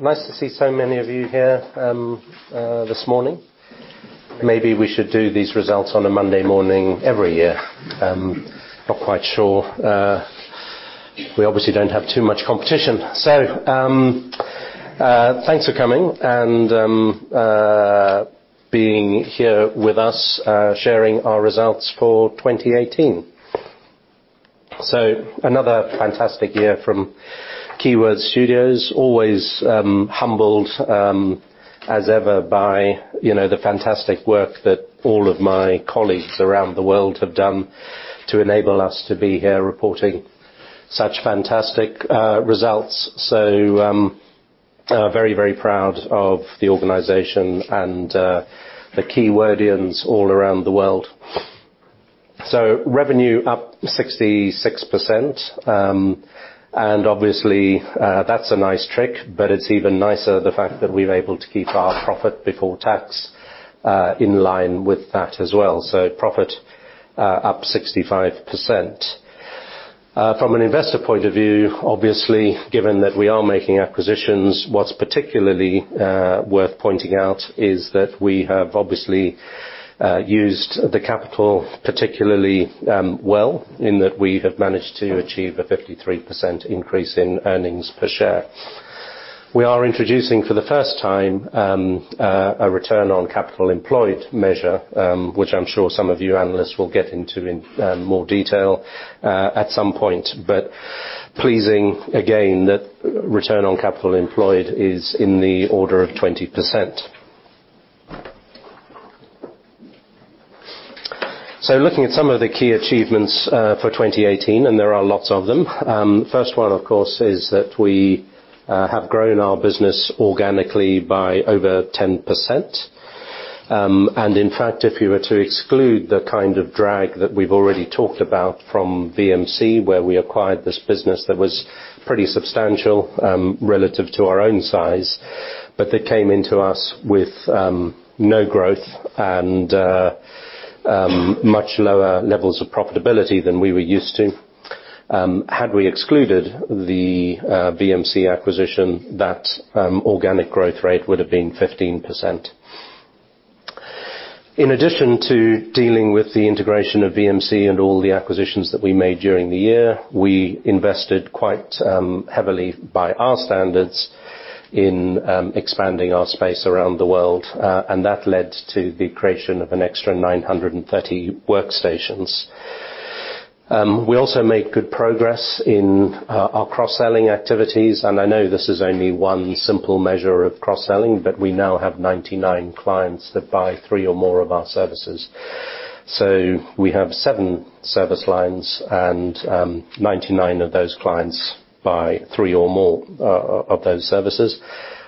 Nice to see so many of you here this morning. Maybe we should do these results on a Monday morning every year. Not quite sure. We obviously don't have too much competition. Thanks for coming and being here with us, sharing our results for 2018. Another fantastic year from Keywords Studios. Always humbled as ever by the fantastic work that all of my colleagues around the world have done to enable us to be here reporting such fantastic results. Very, very proud of the organization and the Keywordians all around the world. Revenue up 66%, obviously, that's a nice trick, but it's even nicer the fact that we're able to keep our profit before tax, in line with that as well. Profit, up 65%. From an investor point of view, obviously, given that we are making acquisitions, what's particularly worth pointing out is that we have obviously used the capital particularly well in that we have managed to achieve a 53% increase in earnings per share. We are introducing for the first time, a return on capital employed measure, which I'm sure some of you analysts will get into in more detail at some point. Pleasing again that return on capital employed is in the order of 20%. Looking at some of the key achievements for 2018, there are lots of them. First one, of course, is that we have grown our business organically by over 10%. In fact, if you were to exclude the kind of drag that we've already talked about from VMC, where we acquired this business that was pretty substantial, relative to our own size, but they came into us with no growth and much lower levels of profitability than we were used to. Had we excluded the VMC acquisition, that organic growth rate would have been 15%. In addition to dealing with the integration of VMC and all the acquisitions that we made during the year, we invested quite heavily by our standards in expanding our space around the world, and that led to the creation of an extra 930 workstations. We also made good progress in our cross-selling activities, and I know this is only one simple measure of cross-selling, but we now have 99 clients that buy three or more of our services. We have seven service lines and 99 of those clients buy three or more of those services.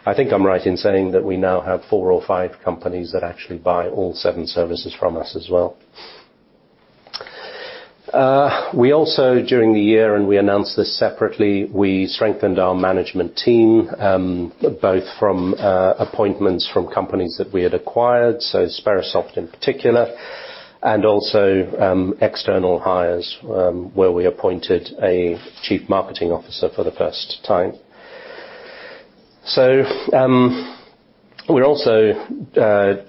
I think I'm right in saying that we now have four or five companies that actually buy all seven services from us as well. We also, during the year, and we announced this separately, we strengthened our management team, both from appointments from companies that we had acquired, Sperasoft in particular, and also external hires, where we appointed a chief marketing officer for the first time. We're also,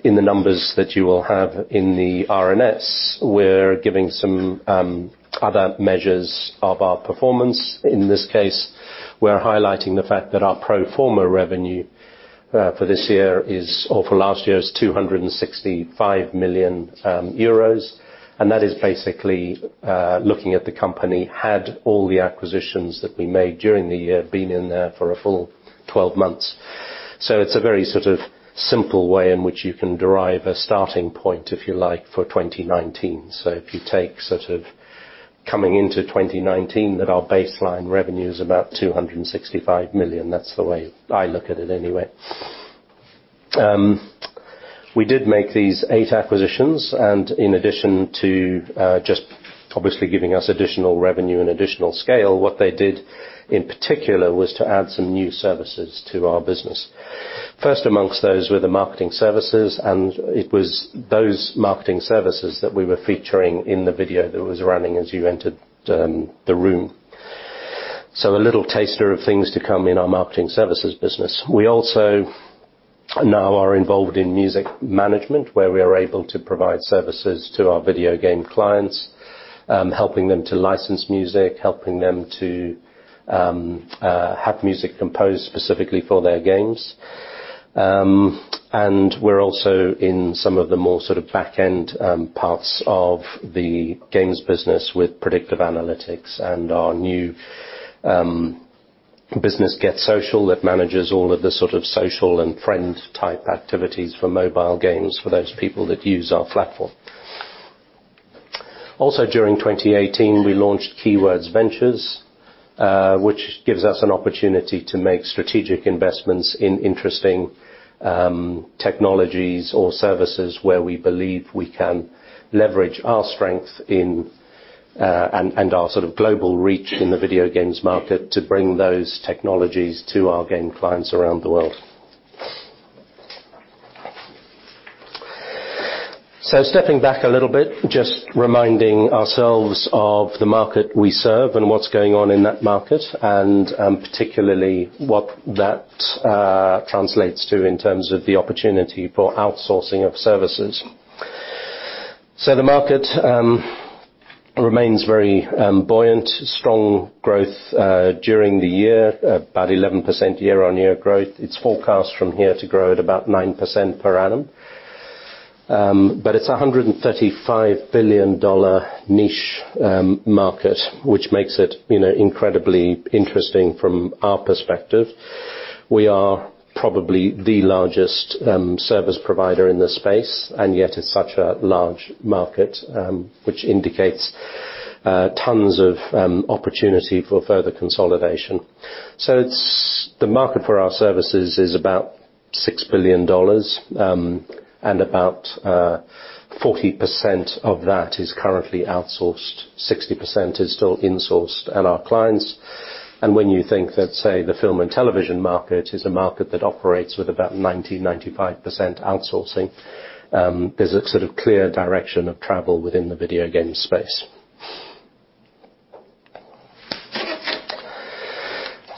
in the numbers that you will have in the RNS, we're giving some other measures of our performance. In this case, we're highlighting the fact that our pro forma revenue for this year is, or for last year, is 265 million euros. That is basically looking at the company had all the acquisitions that we made during the year been in there for a full 12 months. It's a very sort of simple way in which you can derive a starting point, if you like, for 2019. If you take sort of coming into 2019 that our baseline revenue is about 265 million. That's the way I look at it anyway. We did make these eight acquisitions, and in addition to just obviously giving us additional revenue and additional scale, what they did in particular was to add some new services to our business. First amongst those were the marketing services, and it was those marketing services that we were featuring in the video that was running as you entered the room. A little taster of things to come in our marketing services business. We also now are involved in music management, where we are able to provide services to our video game clients, helping them to license music, helping them to have music composed specifically for their games. We're also in some of the more sort of back end parts of the games business with predictive analytics and our new business GetSocial that manages all of the sort of social and friend-type activities for mobile games for those people that use our platform. Also during 2018, we launched Keywords Ventures, which gives us an opportunity to make strategic investments in interesting technologies or services where we believe we can leverage our strength in, and our sort of global reach in the video games market to bring those technologies to our game clients around the world. Stepping back a little bit, just reminding ourselves of the market we serve and what's going on in that market, and particularly what that translates to in terms of the opportunity for outsourcing of services. The market remains very buoyant. Strong growth during the year, about 11% year-on-year growth. It's forecast from here to grow at about 9% per annum. It's a $135 billion niche market, which makes it incredibly interesting from our perspective. We are probably the largest service provider in this space, yet it's such a large market, which indicates tons of opportunity for further consolidation. The market for our services is about $6 billion, and about 40% of that is currently outsourced. 60% is still insourced at our clients. When you think that, say, the film and television market is a market that operates with about 90%,95% outsourcing, there's a sort of clear direction of travel within the video game space.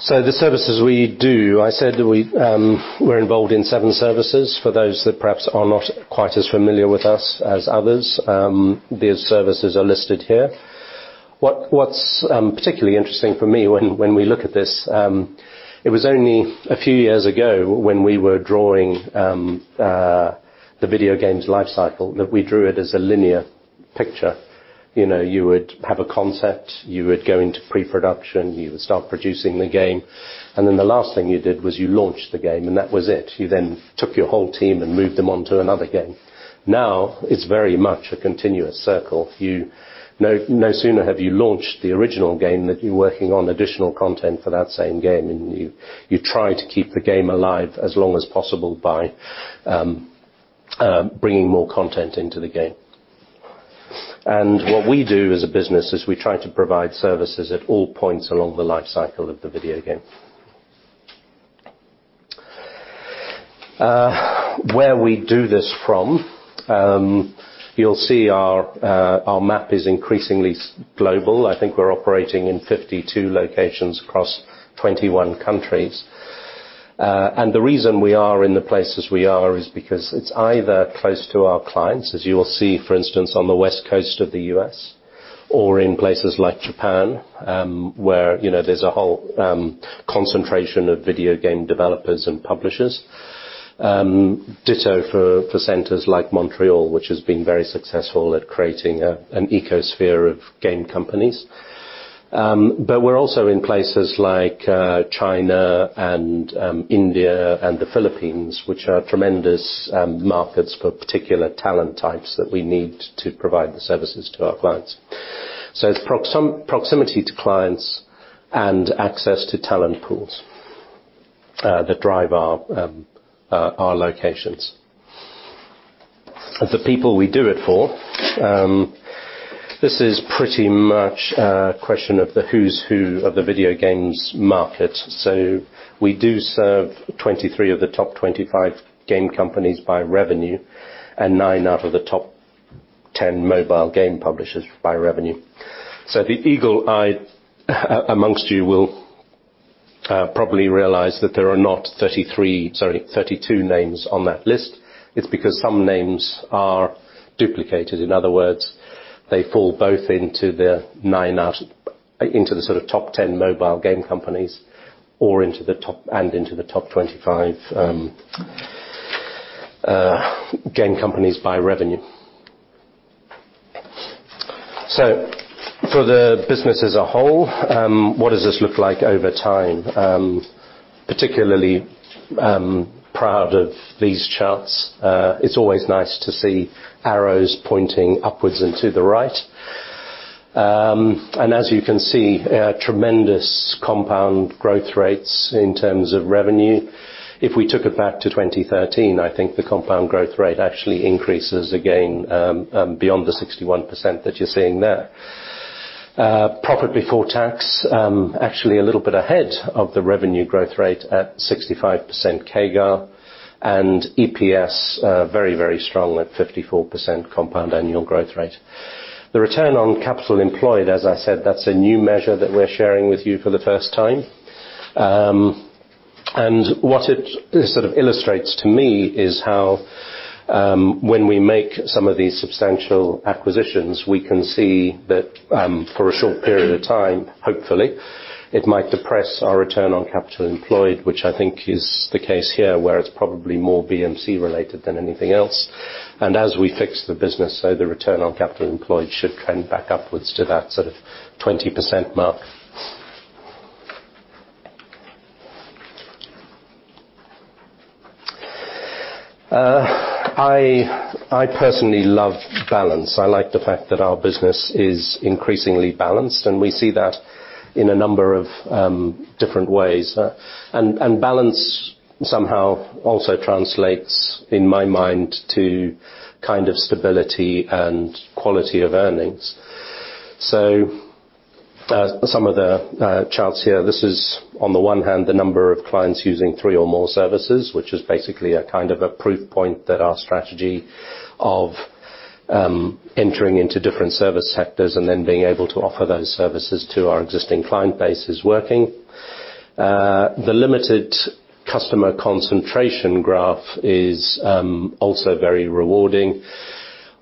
The services we do, I said we're involved in seven services. For those that perhaps are not quite as familiar with us as others, these services are listed here. What's particularly interesting for me when we look at this, it was only a few years ago when we were drawing the video games life cycle, that we drew it as a linear picture. You would have a concept, you would go into pre-production, you would start producing the game, the last thing you did was you launched the game, and that was it. You took your whole team and moved them on to another game. It's very much a continuous circle. No sooner have you launched the original game, that you're working on additional content for that same game, you try to keep the game alive as long as possible by bringing more content into the game. What we do as a business is we try to provide services at all points along the life cycle of the video game. Where we do this from, you'll see our map is increasingly global. I think we're operating in 52 locations across 21 countries. The reason we are in the places we are is because it's either close to our clients, as you will see, for instance, on the West Coast of the U.S., or in places like Japan, where there's a whole concentration of video game developers and publishers. Ditto for centers like Montreal, which has been very successful at creating an ecosphere of game companies. We're also in places like China and India and the Philippines, which are tremendous markets for particular talent types that we need to provide the services to our clients. It's proximity to clients and access to talent pools that drive our locations. The people we do it for. This is pretty much a question of the who's who of the video games market. We do serve 23 of the top 25 game companies by revenue, and nine out of the top 10 mobile game publishers by revenue. The eagle eye amongst you will probably realize that there are not 32 names on that list. It's because some names are duplicated. In other words, they fall both into the sort of top 10 mobile game companies and into the top 25 game companies by revenue. For the business as a whole, what does this look like over time? Particularly proud of these charts. It's always nice to see arrows pointing upwards and to the right. As you can see, tremendous compound growth rates in terms of revenue. If we took it back to 2013, I think the compound growth rate actually increases again beyond the 61% that you're seeing there. Profit before tax, actually a little bit ahead of the revenue growth rate at 65% CAGR. EPS, very, very strong at 54% compound annual growth rate. The return on capital employed, as I said, that's a new measure that we're sharing with you for the first time. What it sort of illustrates to me is how when we make some of these substantial acquisitions, we can see that for a short period of time, hopefully, it might depress our return on capital employed, which I think is the case here, where it's probably more VMC related than anything else. As we fix the business, the return on capital employed should trend back upwards to that sort of 20% mark. I personally love balance. I like the fact that our business is increasingly balanced, and we see that in a number of different ways. Balance somehow also translates, in my mind, to kind of stability and quality of earnings. Some of the charts here, this is on the one hand, the number of clients using three or more services, which is basically a kind of proof point that our strategy of entering into different service sectors and then being able to offer those services to our existing client base is working. The limited customer concentration graph is also very rewarding.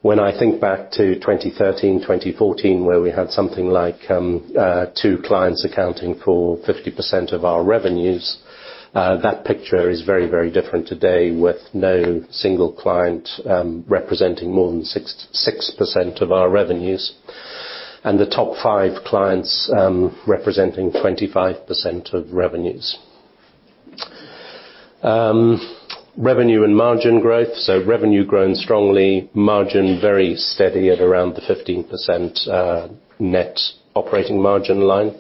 When I think back to 2013, 2014, where we had something like two clients accounting for 50% of our revenues, that picture is very different today, with no single client representing more than 6% of our revenues, and the top five clients representing 25% of revenues. Revenue and margin growth. Revenue growing strongly, margin very steady at around the 15% net operating margin line.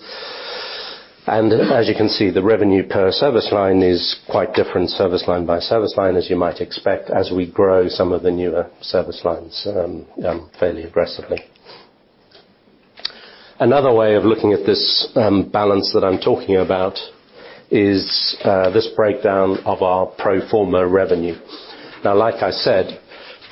As you can see, the revenue per service line is quite different service line by service line, as you might expect, as we grow some of the newer service lines fairly aggressively. Another way of looking at this balance that I'm talking about is this breakdown of our pro forma revenue. Like I said,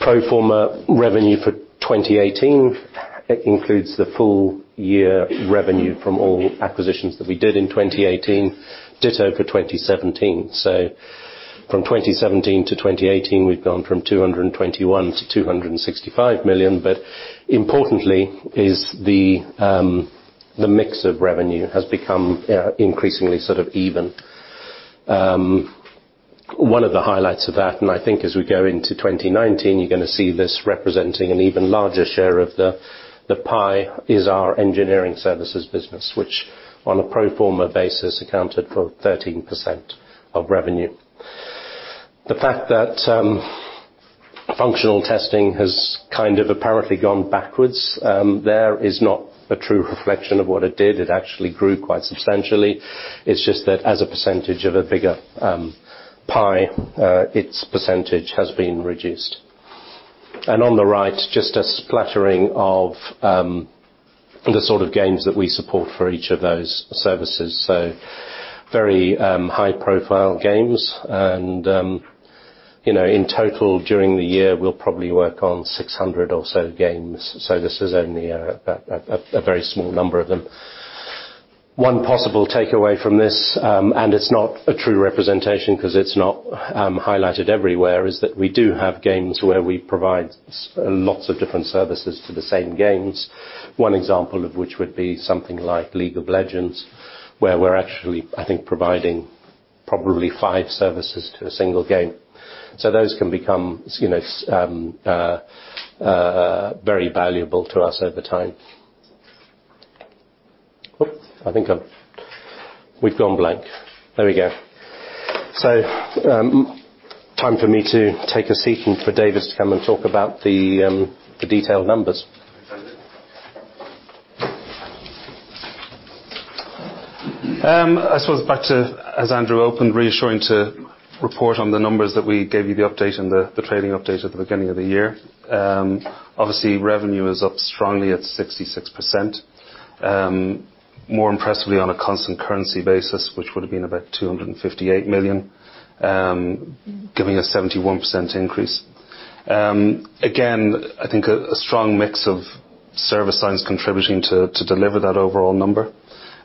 pro forma revenue for 2018 includes the full year revenue from all acquisitions that we did in 2018, ditto for 2017. From 2017 to 2018, we've gone from 221 million to 265 million, importantly is the mix of revenue has become increasingly sort of even. One of the highlights of that, and I think as we go into 2019, you're going to see this representing an even larger share of the pie is our engineering services business, which on a pro forma basis accounted for 13% of revenue. The fact that functional testing has kind of apparently gone backwards there is not a true reflection of what it did. It actually grew quite substantially. It's just that as a percentage of a bigger pie, its percentage has been reduced. On the right, just a splattering of the sort of games that we support for each of those services. Very high-profile games and in total, during the year, we'll probably work on 600 or so games. This is only a very small number of them. One possible takeaway from this, and it's not a true representation because it's not highlighted everywhere, is that we do have games where we provide lots of different services for the same games. One example of which would be something like League of Legends, where we're actually, I think, providing probably five services to a single game. Those can become very valuable to us over time. Oh, I think we've gone blank. There we go. Time for me to take a seat and for David to come and talk about the detailed numbers. Back to, as Andrew opened, reassuring to report on the numbers that we gave you the update and the trading update at the beginning of the year. Revenue is up strongly at 66%. More impressively on a constant currency basis, which would have been about 258 million, giving a 71% increase. I think a strong mix of service lines contributing to deliver that overall number.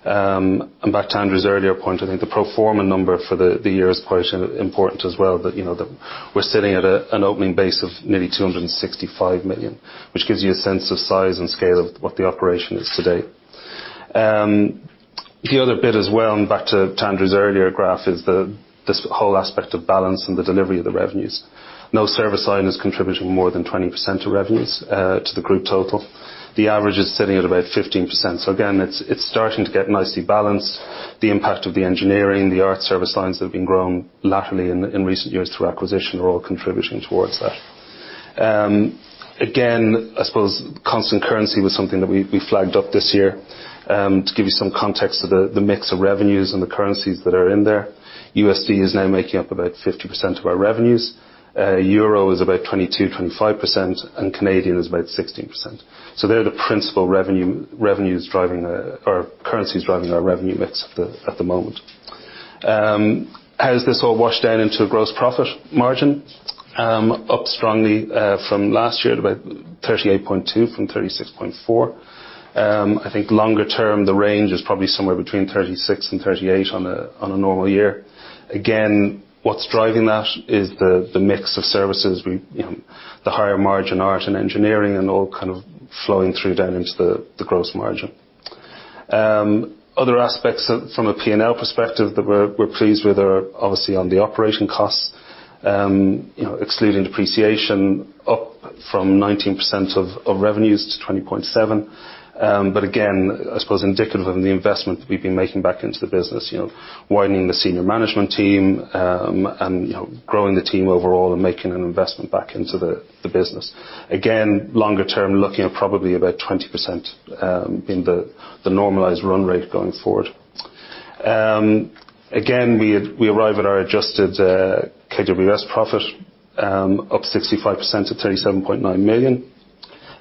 Back to Andrew's earlier point, I think the pro forma number for the year is quite important as well, that we're sitting at an opening base of nearly 265 million, which gives you a sense of size and scale of what the operation is today. The other bit as well, and back to Andrew's earlier graph, is this whole aspect of balance and the delivery of the revenues. No service line is contributing more than 20% of revenues to the group total. The average is sitting at about 15%. It's starting to get nicely balanced. The impact of the engineering, the art service lines that have been grown laterally in recent years through acquisition are all contributing towards that. I suppose constant currency was something that we flagged up this year. To give you some context to the mix of revenues and the currencies that are in there, USD is now making up about 50% of our revenues. Euro is about 22%-25%, and Canadian dollar is about 16%. They're the principal currencies driving our revenue mix at the moment. How does this all wash down into gross profit margin? Up strongly from last year from 36.4% to about 38.2%. I think longer term, the range is probably somewhere between 36% and 38% on a normal year. What's driving that is the mix of services, the higher margin art and engineering and all kind of flowing through down into the gross margin. Other aspects from a P&L perspective that we're pleased with are obviously on the operation costs, excluding depreciation, up from 19% of revenues to 20.7%. I suppose indicative of the investment that we've been making back into the business, widening the senior management team, and growing the team overall and making an investment back into the business. Longer term, looking at probably about 20% being the normalized run rate going forward. We arrive at our adjusted KWS profit up 65% to 37.9 million.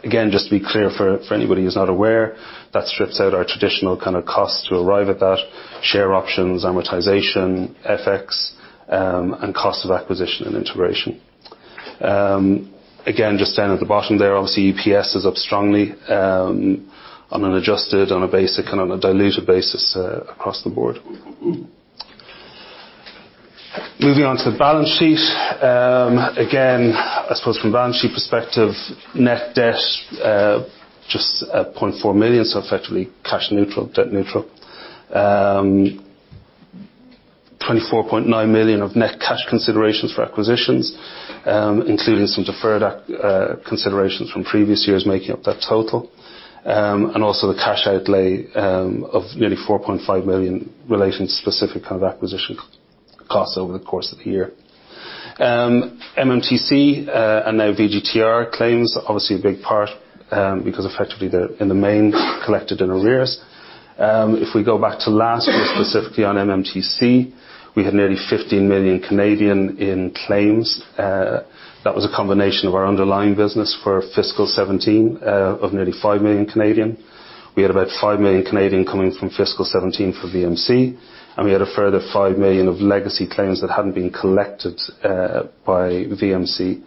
Just to be clear for anybody who's not aware, that strips out our traditional kind of costs to arrive at that. Share options, amortization, FX, and cost of acquisition and integration. Just down at the bottom there, obviously EPS is up strongly on an adjusted, on a basic and on a diluted basis across the board. Moving on to the balance sheet. I suppose from a balance sheet perspective, net debt just at 0.4 million, so effectively cash neutral, debt neutral. 24.9 million of net cash considerations for acquisitions, including some deferred considerations from previous years making up that total. Also the cash outlay of nearly 4.5 million relating to specific kind of acquisition costs over the course of the year. MMTC and now VGTR claims are obviously a big part because effectively they're, in the main, collected in arrears. If we go back to last year, specifically on MMTC, we had nearly 15 million in claims. That was a combination of our underlying business for fiscal 2017 of nearly 5 million. We had about 5 million coming from fiscal 2017 for VMC, and we had a further 5 million of legacy claims that hadn't been collected by VMC,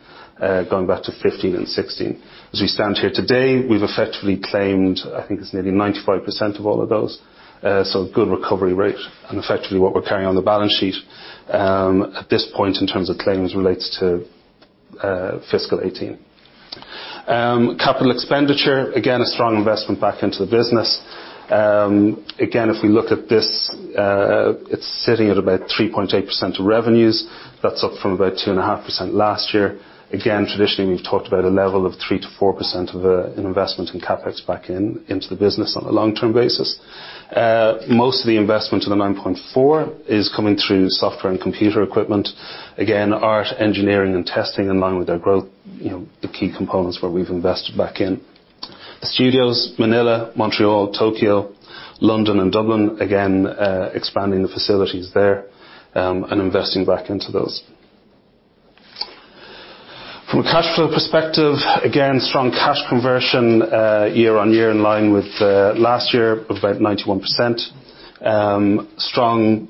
going back to 2015 and 2016. As we stand here today, we've effectively claimed, I think it's nearly 95% of all of those. A good recovery rate. Effectively what we're carrying on the balance sheet, at this point in terms of claims relates to fiscal 2018. CapEx. A strong investment back into the business. If we look at this, it's sitting at about 3.8% of revenues. That's up from about 2.5% last year. Traditionally, we've talked about a level of 3%-4% of an investment in CapEx back into the business on a long-term basis. Most of the investment of the 9.4 million is coming through software and computer equipment. Art, engineering, and testing in line with our growth, the key components where we've invested back in. The studios, Manila, Montreal, Tokyo, London, and Dublin, expanding the facilities there, and investing back into those. From a cash flow perspective, strong cash conversion year-over-year in line with last year of about 91%. Strong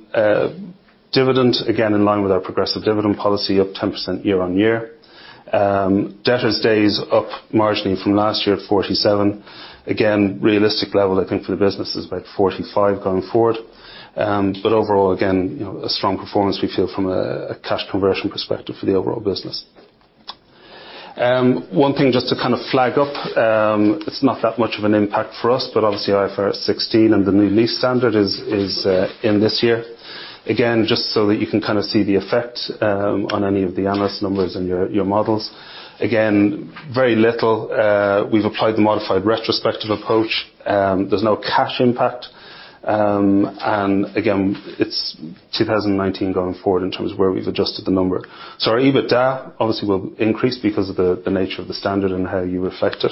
dividend, in line with our progressive dividend policy up 10% year-over-year. Debtors days up marginally from last year at 47. Realistic level I think for the business is about 45 going forward. A strong performance we feel from a cash conversion perspective for the overall business. One thing just to kind of flag up, it's not that much of an impact for us, but obviously IFRS 16 and the new lease standard is in this year. Just so that you can kind of see the effect on any of the analyst numbers and your models. Very little. We've applied the modified retrospective approach. There's no cash impact. It's 2019 going forward in terms of where we've adjusted the number. Our EBITDA obviously will increase because of the nature of the standard and how you reflect it.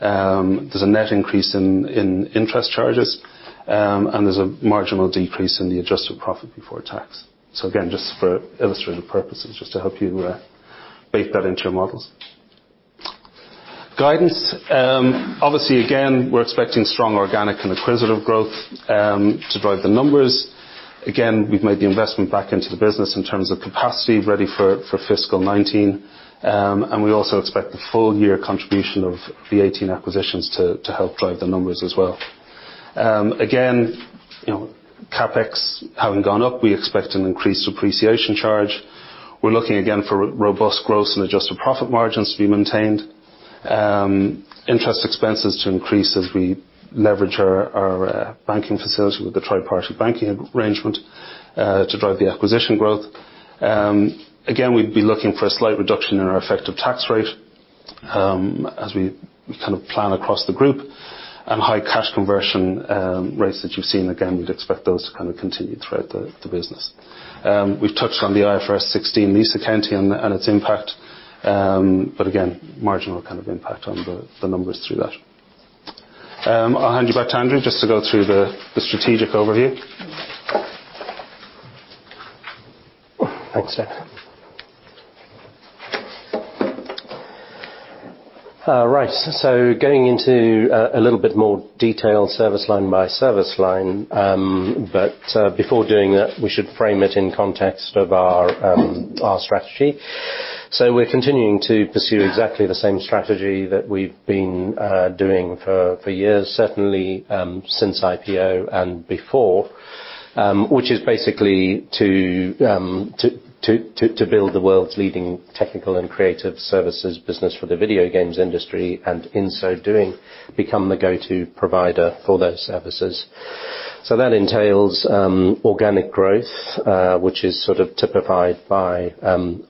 There's a net increase in interest charges, and there's a marginal decrease in the adjusted profit before tax. Just for illustrative purposes, just to help you bake that into your models. Guidance. We're expecting strong organic and acquisitive growth to drive the numbers. We've made the investment back into the business in terms of capacity ready for fiscal 2019. We also expect the full year contribution of the 2018 acquisitions to help drive the numbers as well. CapEx having gone up, we expect an increased depreciation charge. We're looking for robust growth in adjusted profit margins to be maintained. Interest expenses to increase as we leverage our banking facility with the tripartite banking arrangement to drive the acquisition growth. We'd be looking for a slight reduction in our effective tax rate as we kind of plan across the group. High cash conversion rates that you've seen, we'd expect those to kind of continue throughout the business. We've touched on the IFRS 16 lease accounting and its impact. Marginal kind of impact on the numbers through that. I'll hand you back to Andrew just to go through the strategic overview. Thanks, Dave. Right. Going into a little bit more detail service line by service line. Before doing that, we should frame it in context of our strategy. We're continuing to pursue exactly the same strategy that we've been doing for years, certainly since IPO and before. Which is basically to build the world's leading technical and creative services business for the video games industry, and in so doing, become the go-to provider for those services. That entails organic growth, which is sort of typified by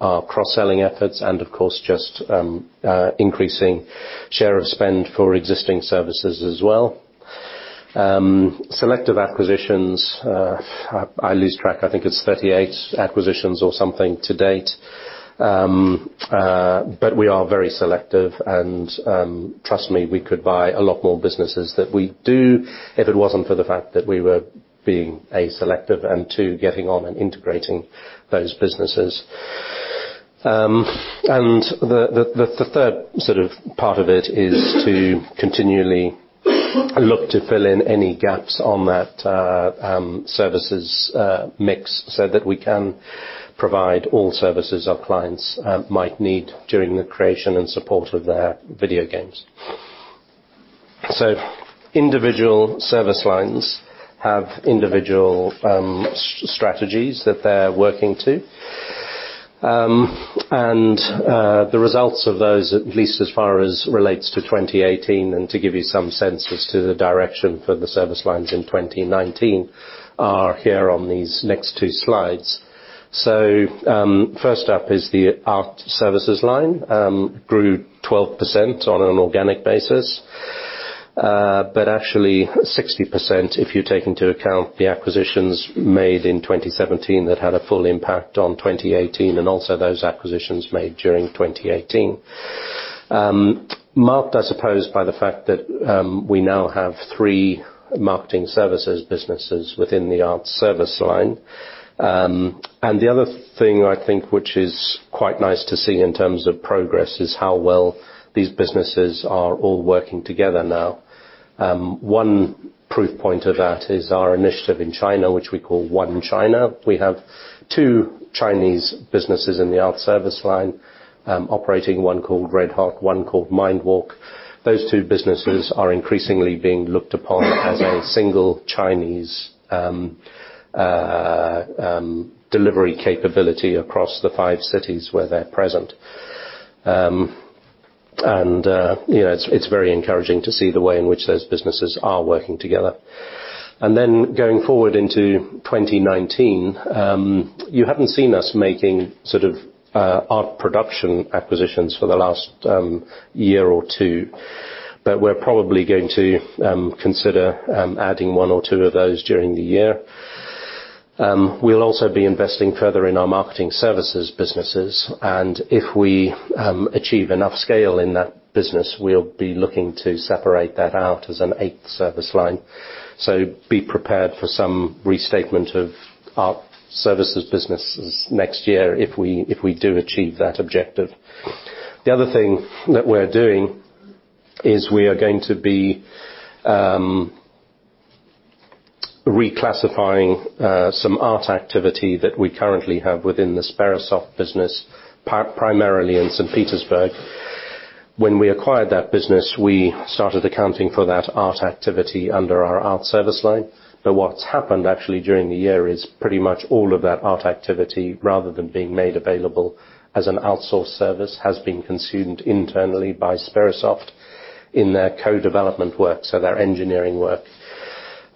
our cross-selling efforts and of course just increasing share of spend for existing services as well. Selective acquisitions, I lose track, I think it's 38 acquisitions or something to date. We are very selective, and trust me, we could buy a lot more businesses than we do if it wasn't for the fact that we were being, A, selective, and two, getting on and integrating those businesses. The third part of it is to continually look to fill in any gaps on that services mix so that we can provide all services our clients might need during the creation and support of their video games. Individual service lines have individual strategies that they're working to. The results of those, at least as far as relates to 2018, and to give you some sense as to the direction for the service lines in 2019, are here on these next two slides. First up is the art services line. Grew 12% on an organic basis, but actually 60%, if you take into account the acquisitions made in 2017 that had a full impact on 2018 and also those acquisitions made during 2018. Marked, I suppose, by the fact that we now have three marketing services businesses within the art service line. The other thing I think which is quite nice to see in terms of progress is how well these businesses are all working together now. One proof point of that is our initiative in China, which we call One China. We have two Chinese businesses in the art service line operating, one called Red Hot, one called Mindwalk. Those two businesses are increasingly being looked upon as a single Chinese delivery capability across the five cities where they're present. It's very encouraging to see the way in which those businesses are working together. Going forward into 2019, you haven't seen us making art production acquisitions for the last year or two, but we're probably going to consider adding one or two of those during the year. We'll also be investing further in our marketing services businesses, and if we achieve enough scale in that business, we'll be looking to separate that out as an eighth service line. Be prepared for some restatement of art services businesses next year if we do achieve that objective. The other thing that we're doing is we are going to be reclassifying some art activity that we currently have within the Sperasoft business, primarily in St. Petersburg. When we acquired that business, we started accounting for that art activity under our art service line. What's happened actually during the year is pretty much all of that art activity, rather than being made available as an outsourced service, has been consumed internally by Sperasoft in their co-development work, so their engineering work.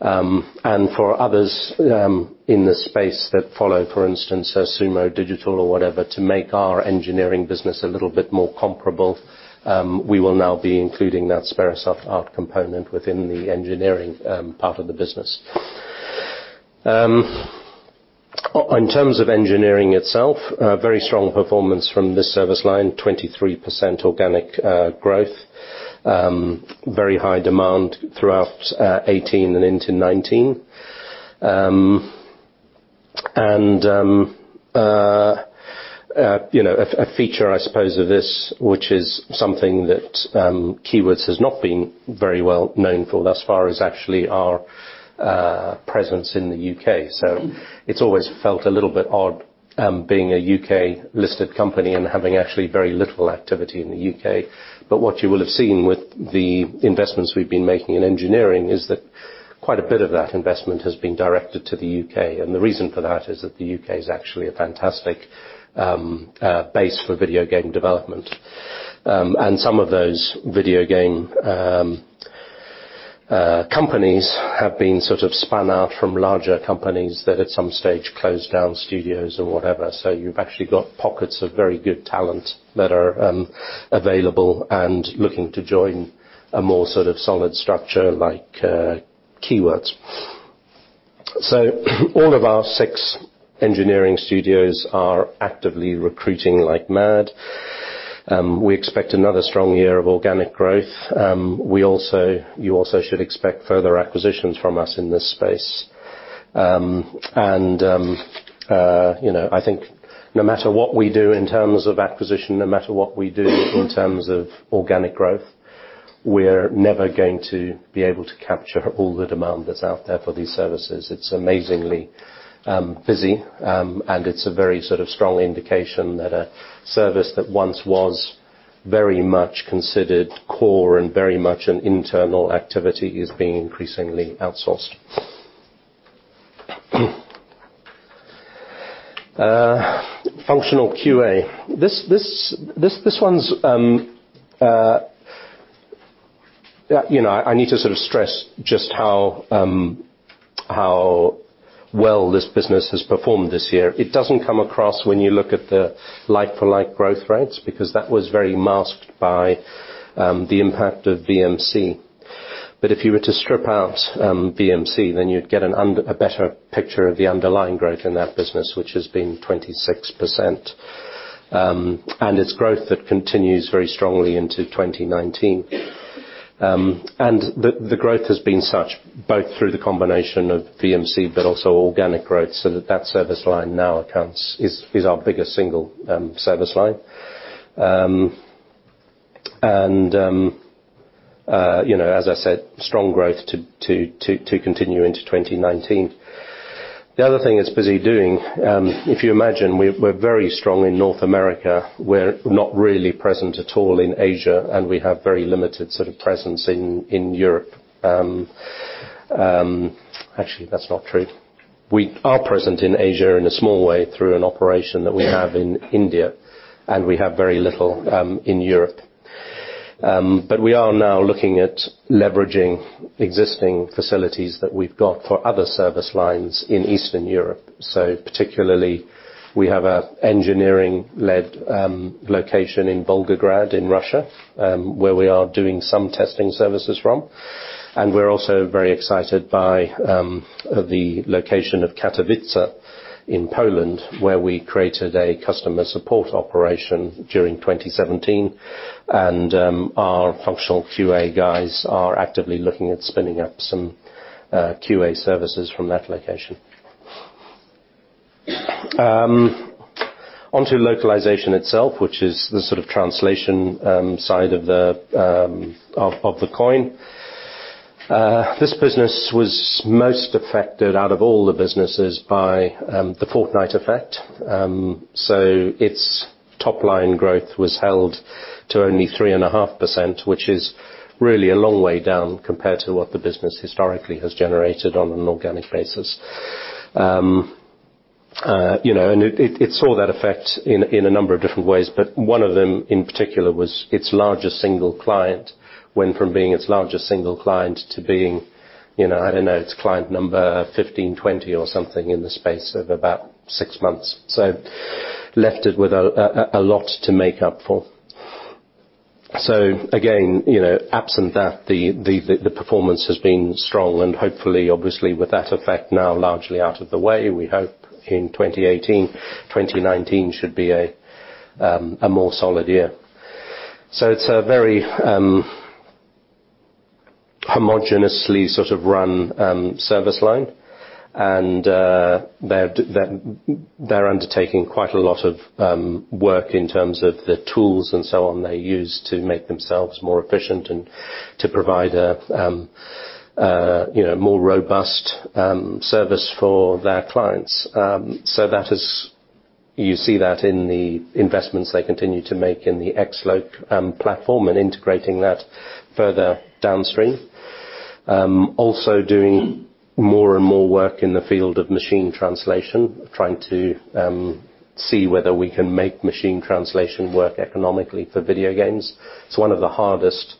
For others in the space that follow, for instance, Sumo Digital or whatever, to make our engineering business a little bit more comparable, we will now be including that Sperasoft art component within the engineering part of the business. In terms of engineering itself, very strong performance from this service line, 23% organic growth. Very high demand throughout 2018 and into 2019. A feature, I suppose, of this, which is something that Keywords has not been very well known for thus far is actually our presence in the U.K. It's always felt a little bit odd being a U.K.-listed company and having actually very little activity in the U.K. What you will have seen with the investments we've been making in engineering is that quite a bit of that investment has been directed to the U.K. The reason for that is that the U.K. is actually a fantastic base for video game development. Some of those video game companies have been spun out from larger companies that at some stage closed down studios or whatever. You've actually got pockets of very good talent that are available and looking to join a more solid structure like Keywords. All of our six engineering studios are actively recruiting like mad. We expect another strong year of organic growth. You also should expect further acquisitions from us in this space. I think no matter what we do in terms of acquisition, no matter what we do in terms of organic growth, we are never going to be able to capture all the demand that's out there for these services. It's amazingly busy, and it's a very strong indication that a service that once was very much considered core and very much an internal activity is being increasingly outsourced. Functional QA. I need to stress just how well this business has performed this year. It doesn't come across when you look at the like-for-like growth rates, because that was very masked by the impact of VMC. But if you were to strip out VMC, you'd get a better picture of the underlying growth in that business, which has been 26%. It's growth that continues very strongly into 2019. The growth has been such, both through the combination of VMC, but also organic growth, that service line now is our biggest single service line. As I said, strong growth to continue into 2019. The other thing it's busy doing, if you imagine, we're very strong in North America. We're not really present at all in Asia, and we have very limited sort of presence in Europe. Actually, that's not true. We are present in Asia in a small way through an operation that we have in India, and we have very little in Europe. We are now looking at leveraging existing facilities that we've got for other service lines in Eastern Europe. Particularly, we have an engineering-led location in Volgograd in Russia, where we are doing some testing services from. We're also very excited by the location of Katowice in Poland, where we created a customer support operation during 2017. Our functional QA guys are actively looking at spinning up some QA services from that location. On to localization itself, which is the sort of translation side of the coin. This business was most affected out of all the businesses by the Fortnite effect. Its top line growth was held to only 3.5%, which is really a long way down compared to what the business historically has generated on an organic basis. It saw that effect in a number of different ways, but one of them in particular was its largest single client went from being its largest single client to being, I don't know, its client number 15, 20 or something in the space of about six months. Left it with a lot to make up for. Again, absent that, the performance has been strong and hopefully, obviously, with that effect now largely out of the way, we hope in 2018, 2019 should be a more solid year. It's a very homogeneously sort of run service line, and they're undertaking quite a lot of work in terms of the tools and so on they use to make themselves more efficient and to provide a more robust service for their clients. You see that in the investments they continue to make in the XLOC platform and integrating that further downstream. Also doing more and more work in the field of machine translation, trying to see whether we can make machine translation work economically for video games. It's one of the hardest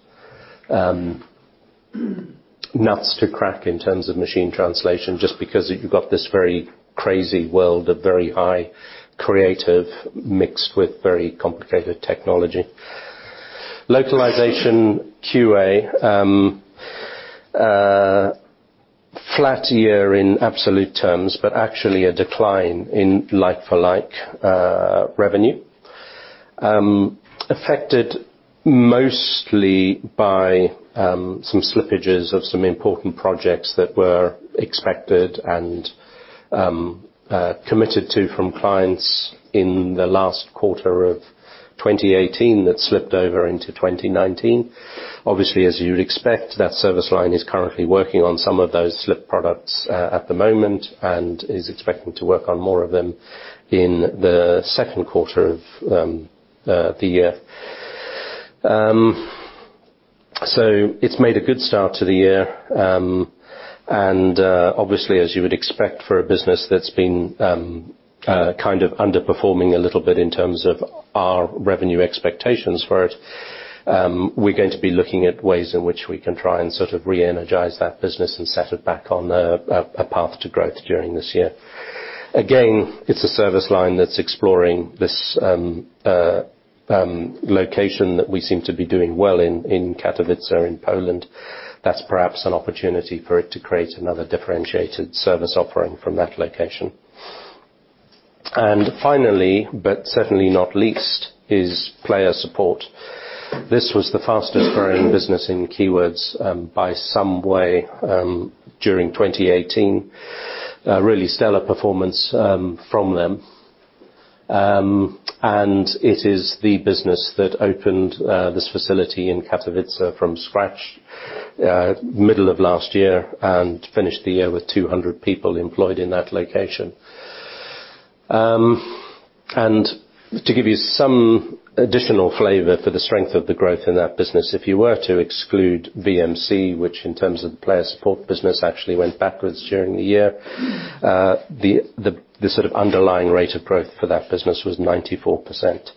nuts to crack in terms of machine translation, just because you've got this very crazy world of very high creative mixed with very complicated technology. Localization QA, flat year in absolute terms, but actually a decline in like-for-like revenue. Affected mostly by some slippages of some important projects that were expected and committed to from clients in the last quarter of 2018 that slipped over into 2019. Obviously, as you would expect, that service line is currently working on some of those slipped products at the moment and is expecting to work on more of them in the second quarter of the year. It's made a good start to the year. Obviously, as you would expect for a business that's been kind of underperforming a little bit in terms of our revenue expectations for it, we're going to be looking at ways in which we can try and sort of re-energize that business and set it back on a path to growth during this year. Again, it's a service line that's exploring this location that we seem to be doing well in Katowice in Poland. That's perhaps an opportunity for it to create another differentiated service offering from that location. Finally, but certainly not least, is player support. This was the fastest growing business in Keywords Studios by some way during 2018. A really stellar performance from them. It is the business that opened this facility in Katowice from scratch middle of last year and finished the year with 200 people employed in that location. To give you some additional flavor for the strength of the growth in that business, if you were to exclude VMC, which in terms of the player support business actually went backwards during the year, the sort of underlying rate of growth for that business was 94%.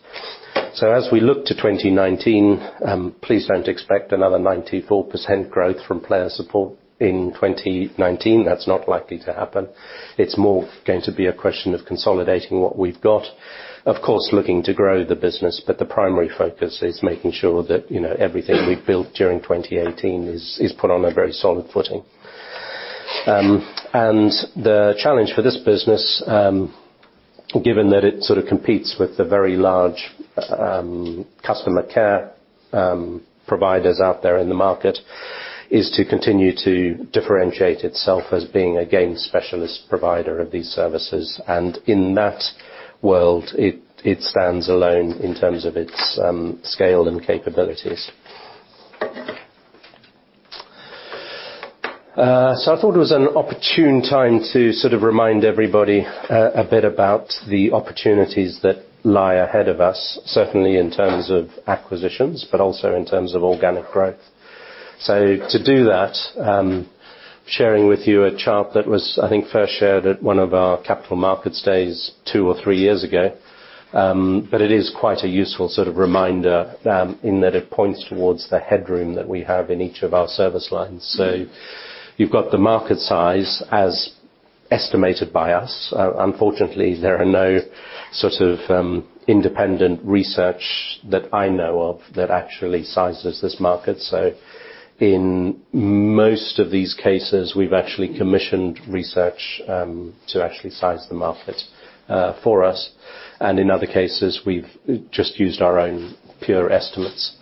As we look to 2019, please don't expect another 94% growth from player support in 2019. That's not likely to happen. It's more going to be a question of consolidating what we've got. Of course, looking to grow the business, but the primary focus is making sure that everything we've built during 2018 is put on a very solid footing. The challenge for this business, given that it sort of competes with the very large customer care providers out there in the market, is to continue to differentiate itself as being a game specialist provider of these services. In that world, it stands alone in terms of its scale and capabilities. I thought it was an opportune time to remind everybody a bit about the opportunities that lie ahead of us, certainly in terms of acquisitions, but also in terms of organic growth. To do that, sharing with you a chart that was, I think, first shared at one of our capital markets days two or three years ago. It is quite a useful sort of reminder, in that it points towards the headroom that we have in each of our service lines. You've got the market size as estimated by us. Unfortunately, there are no sort of independent research that I know of that actually sizes this market. In most of these cases, we've actually commissioned research to actually size the market for us. In other cases, we've just used our own pure estimates.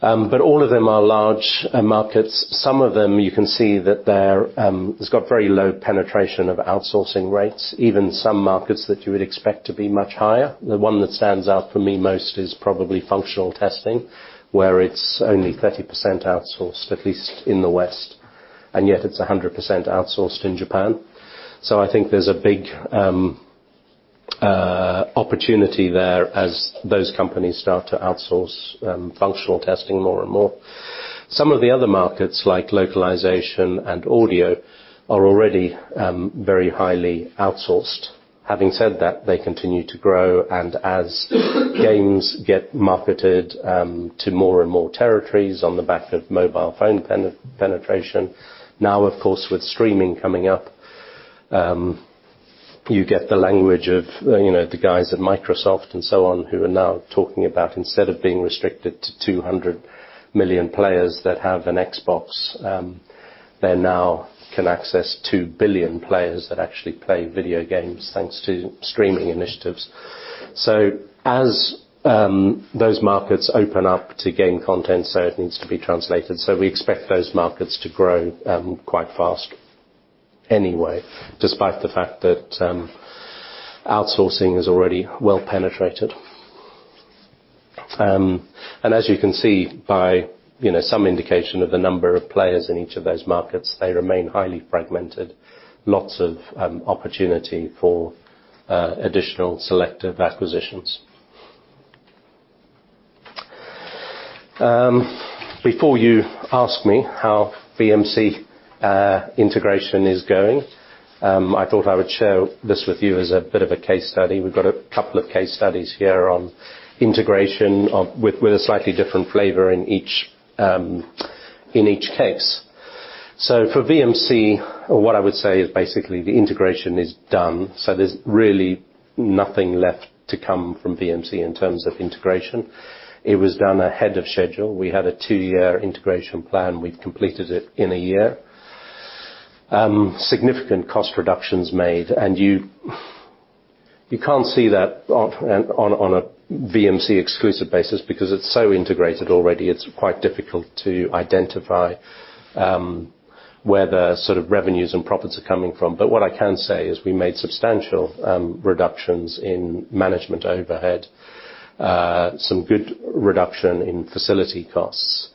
All of them are large markets. Some of them, you can see that it's got very low penetration of outsourcing rates, even some markets that you would expect to be much higher. The one that stands out for me most is probably functional testing, where it's only 30% outsourced, at least in the West, and yet it's 100% outsourced in Japan. I think there's a big opportunity there as those companies start to outsource functional testing more and more. Some of the other markets, like localization and audio, are already very highly outsourced. Having said that, they continue to grow, as games get marketed to more and more territories on the back of mobile phone penetration. Of course, with streaming coming up, you get the language of the guys at Microsoft and so on, who are now talking about, instead of being restricted to 200 million players that have an Xbox, they now can access 2 billion players that actually play video games, thanks to streaming initiatives. As those markets open up to game content, so it needs to be translated. We expect those markets to grow quite fast anyway, despite the fact that outsourcing is already well penetrated. As you can see by some indication of the number of players in each of those markets, they remain highly fragmented. Lots of opportunity for additional selective acquisitions. Before you ask me how VMC integration is going, I thought I would share this with you as a bit of a case study. We've got a couple of case studies here on integration with a slightly different flavor in each case. For VMC, what I would say is basically the integration is done. There's really nothing left to come from VMC in terms of integration. It was done ahead of schedule. We had a two-year integration plan. We've completed it in a year. Significant cost reductions made, and you can't see that on a VMC exclusive basis because it's so integrated already. It's quite difficult to identify where the sort of revenues and profits are coming from. But what I can say is we made substantial reductions in management overhead, some good reduction in facility costs.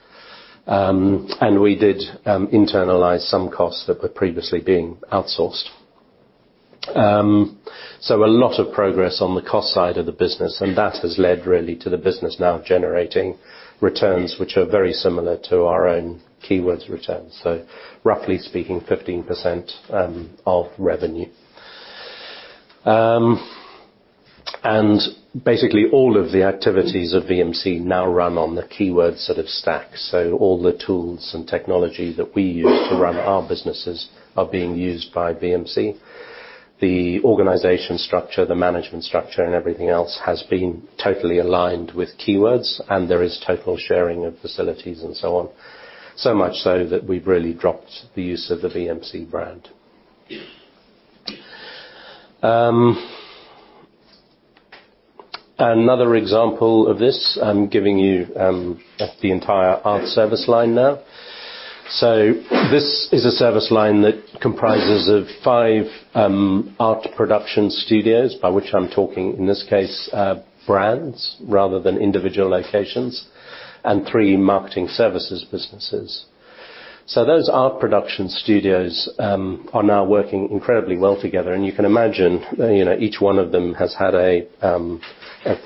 We did internalize some costs that were previously being outsourced. A lot of progress on the cost side of the business, and that has led really to the business now generating returns which are very similar to our own Keywords returns. Roughly speaking, 15% of revenue. Basically all of the activities of VMC now run on the Keywords sort of stack. All the tools and technology that we use to run our businesses are being used by VMC. The organization structure, the management structure, and everything else has been totally aligned with Keywords, and there is total sharing of facilities and so on. Much so that we've really dropped the use of the VMC brand. Another example of this, I'm giving you the entire art service line now. This is a service line that comprises of five art production studios, by which I'm talking, in this case, brands rather than individual locations, and three marketing services businesses. Those art production studios are now working incredibly well together. You can imagine each one of them has had a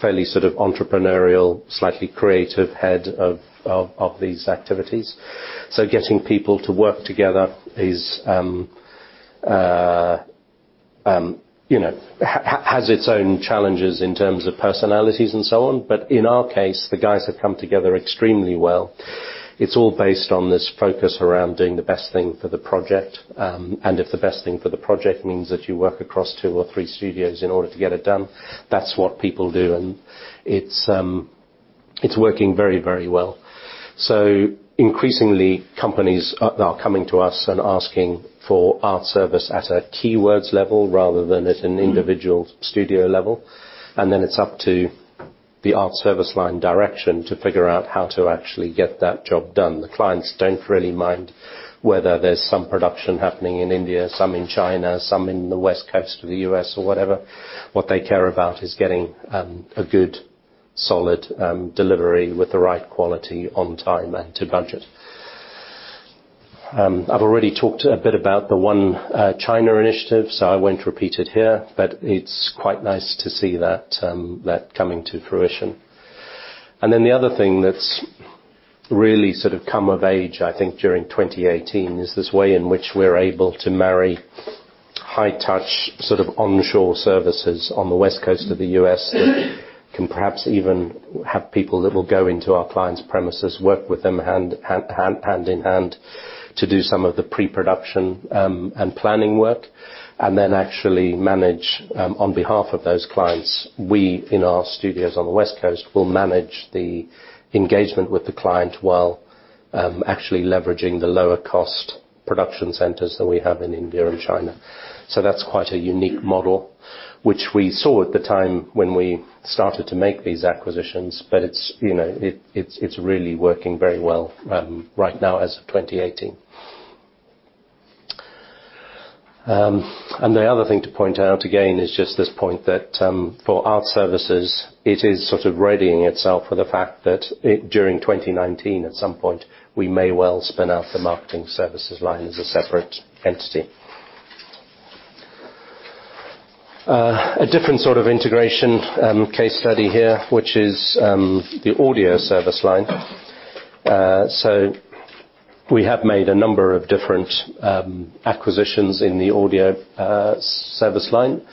fairly sort of entrepreneurial, slightly creative head of these activities. Getting people to work together has its own challenges in terms of personalities and so on. In our case, the guys have come together extremely well. It's all based on this focus around doing the best thing for the project. If the best thing for the project means that you work across two or three studios in order to get it done, that's what people do. It's working very well. Increasingly, companies are now coming to us and asking for art service at a Keywords level rather than at an individual studio level. Then it's up to the art service line direction to figure out how to actually get that job done. The clients don't really mind whether there's some production happening in India, some in China, some in the West Coast of the U.S., or whatever. What they care about is getting a good solid delivery with the right quality, on time, and to budget. I've already talked a bit about the One China initiative, I won't repeat it here, it's quite nice to see that coming to fruition. The other thing that's really come of age, I think during 2018, is this way in which we're able to marry high-touch sort of onshore services on the West Coast of the U.S., that can perhaps even have people that will go into our clients' premises, work with them hand in hand to do some of the pre-production and planning work. Actually manage on behalf of those clients. We, in our studios on the West Coast, will manage the engagement with the client while actually leveraging the lower cost production centers that we have in India and China. That's quite a unique model, which we saw at the time when we started to make these acquisitions, it's really working very well right now as of 2018. The other thing to point out again is just this point that for art services, it is sort of readying itself for the fact that during 2019, at some point, we may well spin out the marketing services line as a separate entity. A different sort of integration case study here, which is the audio service line. We have made a number of different acquisitions in the audio service line,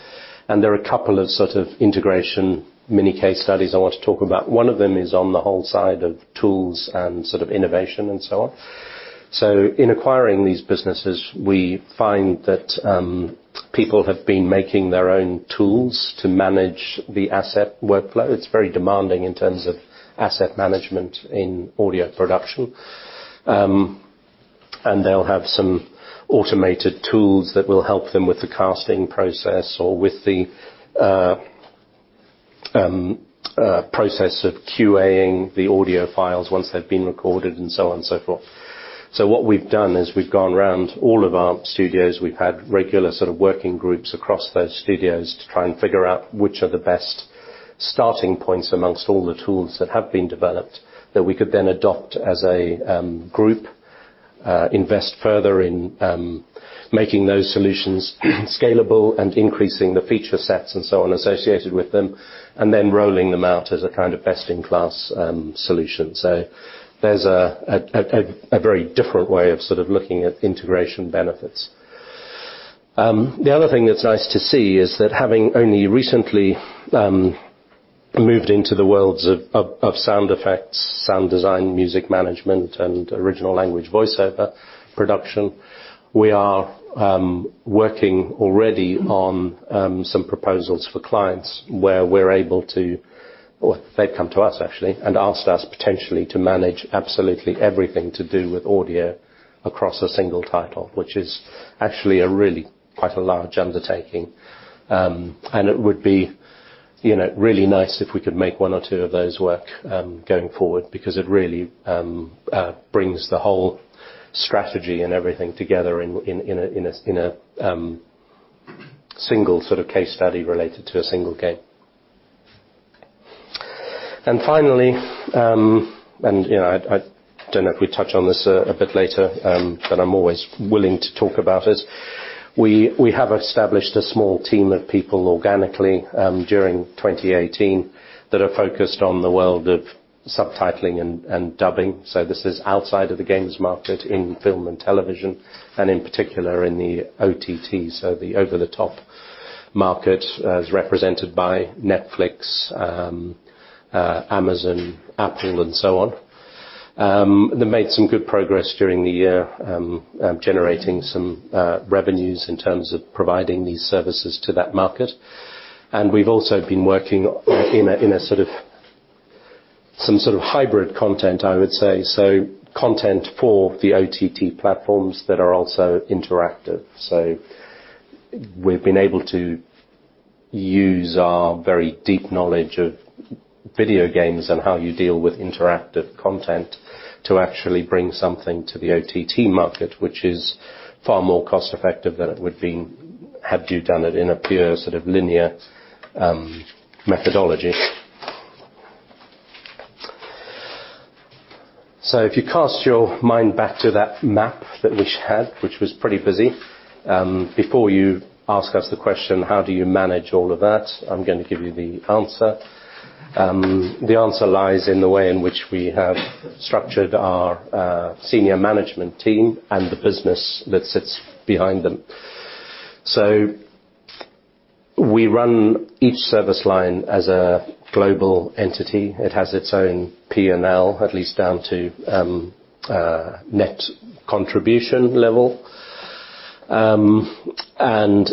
there are a couple of sort of integration mini case studies I want to talk about. One of them is on the whole side of tools and sort of innovation and so on. In acquiring these businesses, we find that people have been making their own tools to manage the asset workflow. It's very demanding in terms of asset management in audio production. They'll have some automated tools that will help them with the casting process or with the process of QAing the audio files once they've been recorded, and so on and so forth. What we've done is we've gone around all of our studios. We've had regular sort of working groups across those studios to try and figure out which are the best starting points amongst all the tools that have been developed that we could then adopt as a group. Invest further in making those solutions scalable and increasing the feature sets, and so on, associated with them, rolling them out as a kind of best-in-class solution. There's a very different way of sort of looking at integration benefits. The other thing that's nice to see is that having only recently moved into the worlds of sound effects, sound design, music management, and original language voice-over production, we are working already on some proposals for clients where they've come to us actually, and asked us potentially to manage absolutely everything to do with audio across a single title, which is actually a really quite a large undertaking. It would be really nice if we could make one or two of those work going forward because it really brings the whole strategy and everything together in a single sort of case study related to a single game. Finally, I don't know if we touch on this a bit later, but I'm always willing to talk about it. We have established a small team of people organically, during 2018, that are focused on the world of subtitling and dubbing. This is outside of the games market in film and television, and in particular in the OTT. The over-the-top market as represented by Netflix, Amazon, Apple, and so on. They made some good progress during the year, generating some revenues in terms of providing these services to that market. We've also been working in some sort of hybrid content, I would say. Content for the OTT platforms that are also interactive. We've been able to use our very deep knowledge of video games and how you deal with interactive content to actually bring something to the OTT market, which is far more cost-effective than it would be had you done it in a pure sort of linear methodology. If you cast your mind back to that map that we had, which was pretty busy. Before you ask us the question, how do you manage all of that? I'm going to give you the answer. The answer lies in the way in which we have structured our senior management team and the business that sits behind them. We run each service line as a global entity. It has its own P&L, at least down to net contribution level.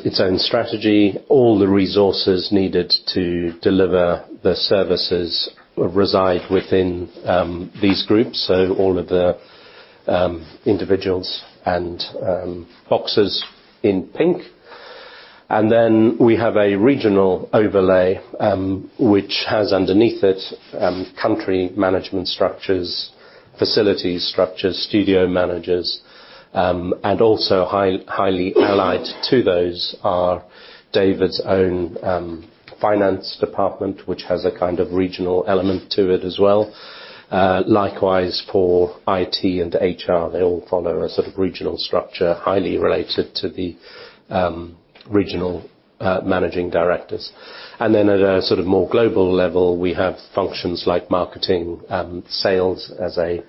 Its own strategy. All the resources needed to deliver the services reside within these groups, so all of the individuals and boxes in pink. Then we have a regional overlay which has underneath it country management structures, facilities structures, studio managers, and also highly allied to those are David's own finance department, which has a kind of regional element to it as well. Likewise for IT and HR, they all follow a sort of regional structure, highly related to the regional managing directors. Then at a sort of more global level, we have functions like marketing and sales as a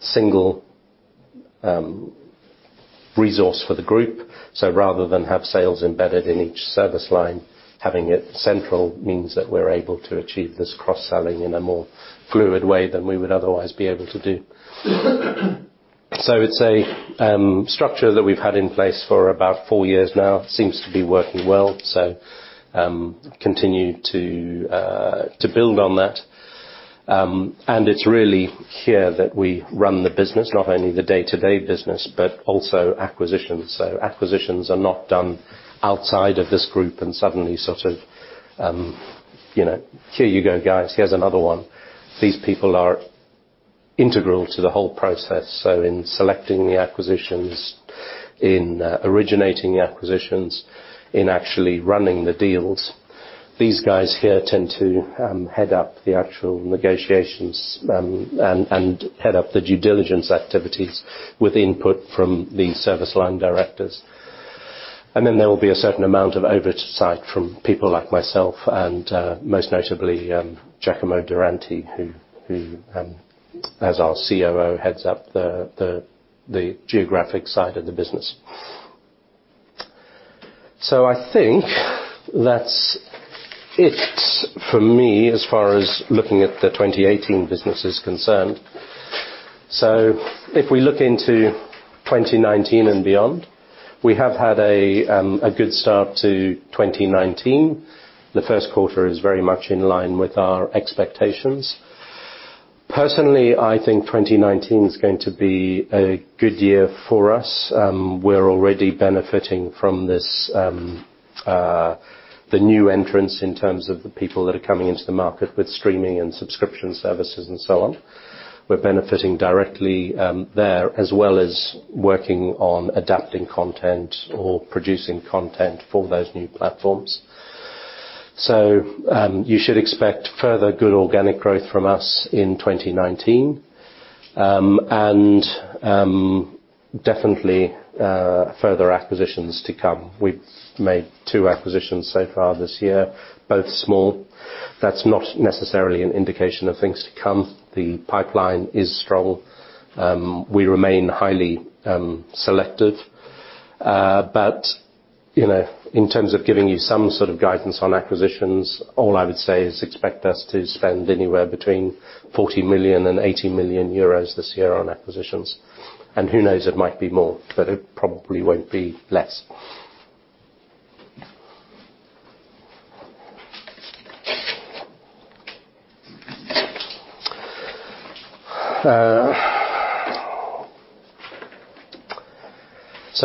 single resource for the group. Rather than have sales embedded in each service line, having it central means that we're able to achieve this cross-selling in a more fluid way than we would otherwise be able to do. It's a structure that we've had in place for about four years now. Seems to be working well, so continue to build on that. It's really here that we run the business, not only the day-to-day business, but also acquisitions. Acquisitions are not done outside of this group and suddenly sort of, here you go, guys, here's another one. These people are integral to the whole process. In selecting the acquisitions, in originating the acquisitions, in actually running the deals, these guys here tend to head up the actual negotiations and head up the due diligence activities with input from the service line directors. There will be a certain amount of oversight from people like myself and, most notably, Giacomo Durante, who as our COO, heads up the geographic side of the business. I think that is it for me as far as looking at the 2018 business is concerned. If we look into 2019 and beyond, we have had a good start to 2019. The first quarter is very much in line with our expectations. Personally, I think 2019 is going to be a good year for us. We are already benefiting from the new entrants in terms of the people that are coming into the market with streaming and subscription services and so on. We are benefiting directly there, as well as working on adapting content or producing content for those new platforms. You should expect further good organic growth from us in 2019, and definitely further acquisitions to come. We have made two acquisitions so far this year, both small. That is not necessarily an indication of things to come. The pipeline is strong. We remain highly selective. But in terms of giving you some sort of guidance on acquisitions, all I would say is expect us to spend anywhere between 40 million and 80 million euros this year on acquisitions. Who knows, it might be more, but it probably won't be less.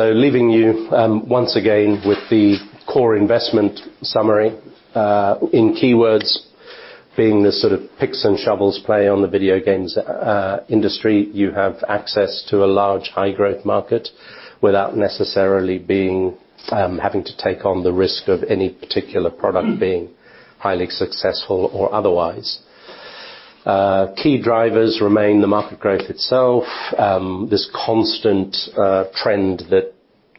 Leaving you, once again, with the core investment summary. In Keywords, being the sort of picks and shovels play on the video games industry, you have access to a large, high-growth market without necessarily having to take on the risk of any particular product being highly successful or otherwise. Key drivers remain the market growth itself, this constant trend that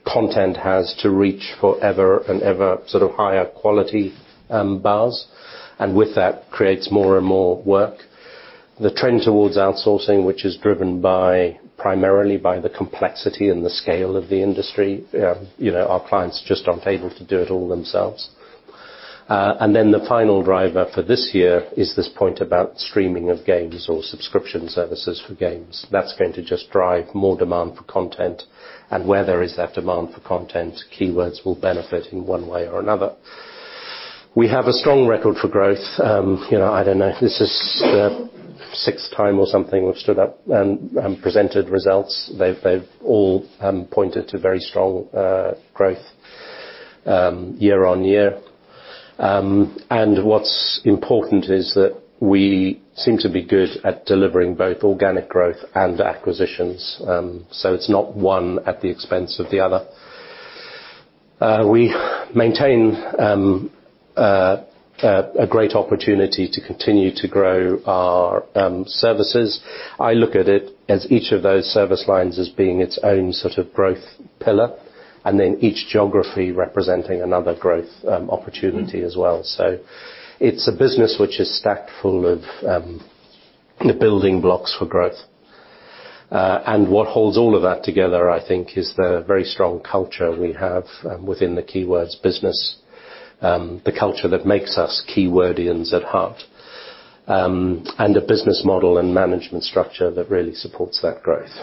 content has to reach forever and ever sort of higher quality bars, and with that creates more and more work. The trend towards outsourcing, which is driven primarily by the complexity and the scale of the industry. Our clients just aren't able to do it all themselves. The final driver for this year is this point about streaming of games or subscription services for games. That's going to just drive more demand for content, and where there is that demand for content, Keywords will benefit in one way or another. We have a strong record for growth. I don't know, this is the sixth time or something we've stood up and presented results. They've all pointed to very strong growth year-on-year. What's important is that we seem to be good at delivering both organic growth and acquisitions. It's not one at the expense of the other. We maintain a great opportunity to continue to grow our services. I look at it as each of those service lines as being its own sort of growth pillar, each geography representing another growth opportunity as well. It's a business which is stacked full of the building blocks for growth. What holds all of that together, I think, is the very strong culture we have within the Keywords business, the culture that makes us Keywordians at heart. And a business model and management structure that really supports that growth.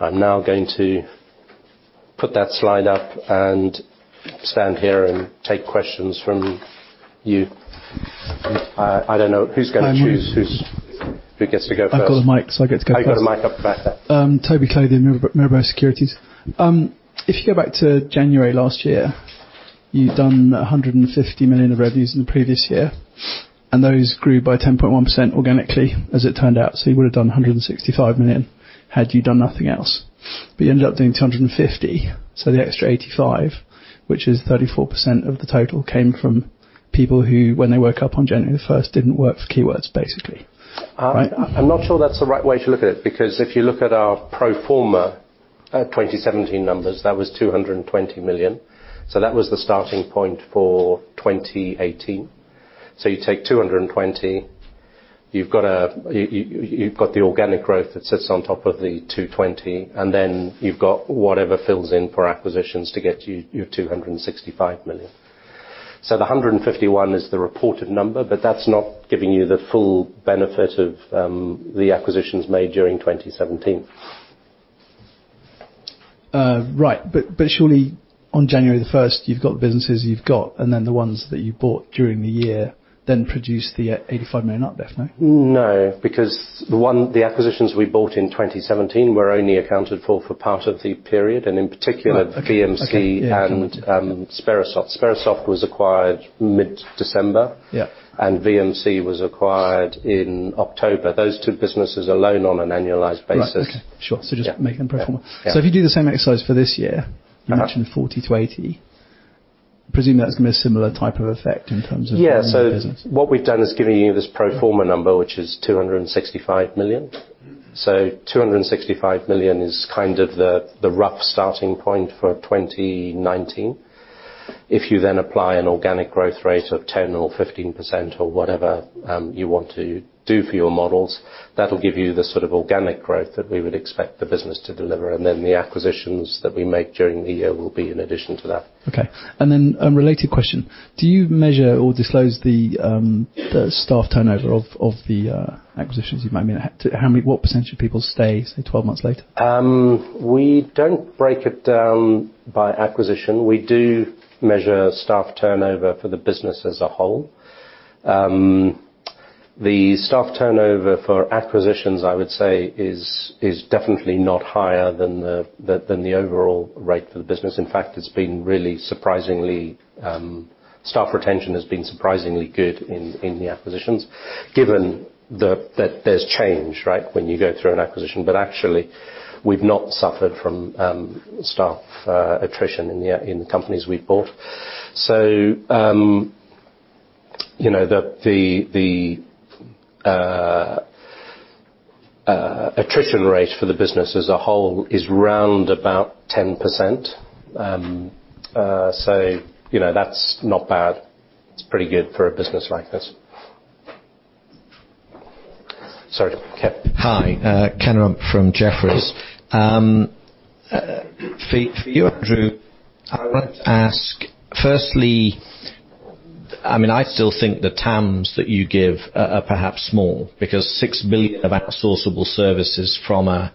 I'm now going to put that slide up and stand here and take questions from you. I don't know who's going to choose who gets to go first. I've got the mic, so I get to go first. Oh, you've got the mic up the back there. Toby Clothier from Mirabaud Securities. If you go back to January last year, you'd done 150 million of revenues in the previous year, and those grew by 10.1% organically, as it turned out. You would have done 165 million had you done nothing else. You ended up doing 250 million, so the extra 85 million, which is 34% of the total, came from people who, when they woke up on January 1st, didn't work for Keywords, basically. Right? I'm not sure that's the right way to look at it, because if you look at our pro forma 2017 numbers, that was 220 million. That was the starting point for 2018. You take 220 million, you've got the organic growth that sits on top of the 220 million, and then you've got whatever fills in for acquisitions to get to your 265 million. The 151 million is the reported number, but that's not giving you the full benefit of the acquisitions made during 2017. Right. Surely on January 1st, you've got the businesses you've got, and then the ones that you bought during the year then produce the 85 million uplift, no? No, because the acquisitions we bought in 2017 were only accounted for part of the period, and in particular. Right. Okay. VMC and Sperasoft. Sperasoft was acquired mid-December. Yeah. VMC was acquired in October. Those two businesses alone on an annualized basis. Right. Okay. Sure. Yeah. Just make them pro forma. Yeah. If you do the same exercise for this year. You mentioned 40 million-80 million, presume that's going to be a similar type of effect in terms of growing the business. What we've done is given you this pro forma number, which is 265 million. 265 million is kind of the rough starting point for 2019. You apply an organic growth rate of 10% or 15% or whatever you want to do for your models, that'll give you the sort of organic growth that we would expect the business to deliver. The acquisitions that we make during the year will be in addition to that. A related question. Do you measure or disclose the staff turnover of the acquisitions you make? What percentage of people stay, say, 12 months later? We don't break it down by acquisition. We do measure staff turnover for the business as a whole. The staff turnover for acquisitions, I would say, is definitely not higher than the overall rate for the business, infact staff retention is being surprisingly good in the acquisitions given there is change after the aquisition. Actually, we've not suffered from staff attrition in the companies we've bought. The attrition rate for the business as a whole is round about 10%. That's not bad. It's pretty good for a business like this. Sorry, Ken. Hi, Ken Rumph from Jefferies. For you, Andrew, I want to ask, firstly, I still think the TAMs that you give are perhaps small because $6 billion of outsourceable services from a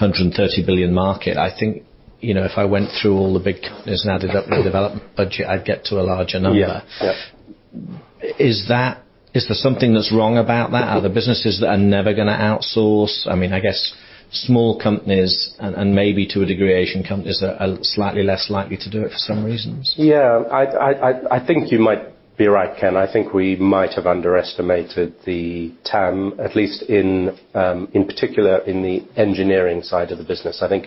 $130 billion market, I think, if I went through all the big companies and added up their development budget, I'd get to a larger number. Yeah. Is there something that's wrong about that? Are there businesses that are never going to outsource? I guess small companies and maybe to a degree Asian companies are slightly less likely to do it for some reasons. Yeah. I think you might be right, Ken. I think we might have underestimated the TAM, at least in particular in the engineering side of the business. I think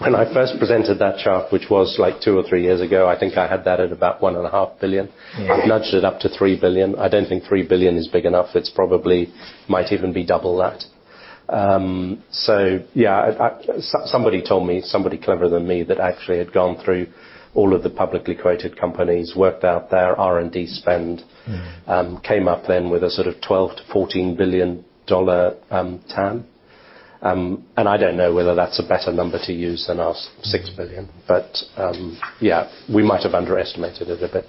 when I first presented that chart, which was two or three years ago, I think I had that at about $1.5 billion. Yeah. Nudged it up to $3 billion. I don't think $3 billion is big enough. It's probably might even be double that. Yeah. Somebody told me, somebody cleverer than me, that actually had gone through all of the publicly quoted companies, worked out their R&D spend. came up then with a sort of $12 billion-$14 billion TAM. I don't know whether that's a better number to use than our $6 billion, yeah, we might have underestimated it a bit.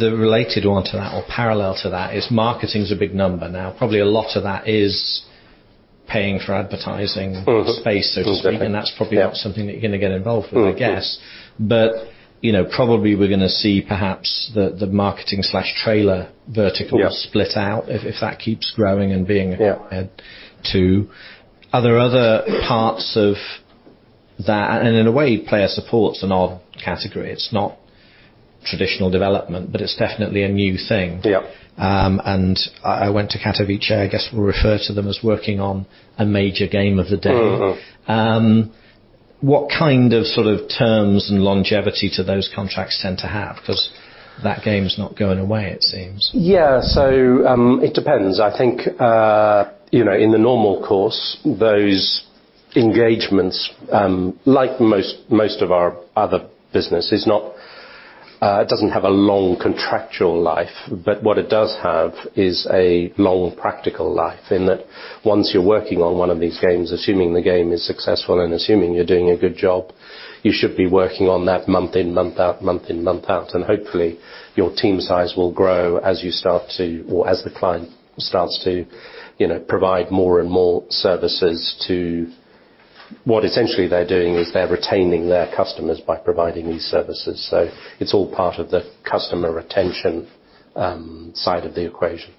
The related one to that or parallel to that is marketing is a big number now. Probably a lot of that is paying for advertising. space and so on. Still is, yeah. That's probably not something that you're going to get involved with, I guess. Probably we're going to see perhaps the marketing/trailer vertical- Yeah split out if that keeps growing and being acquired- Yeah too. Are there other parts of that In a way, player support is an odd category. It is not traditional development, but it is definitely a new thing. Yeah. I went to Katowice, I guess we refer to them as working on a major game of the day. What kind of sort of terms and longevity do those contracts tend to have? Because that game's not going away, it seems. Yeah. It depends. I think, in the normal course, those engagements, like most of our other business, it doesn't have a long contractual life, but what it does have is a long practical life in that once you're working on one of these games, assuming the game is successful and assuming you're doing a good job, you should be working on that month in, month out, month in, month out. Hopefully your team size will grow as the client starts to provide more and more services to. What essentially they're doing is they're retaining their customers by providing these services. It's all part of the customer retention side of the equation.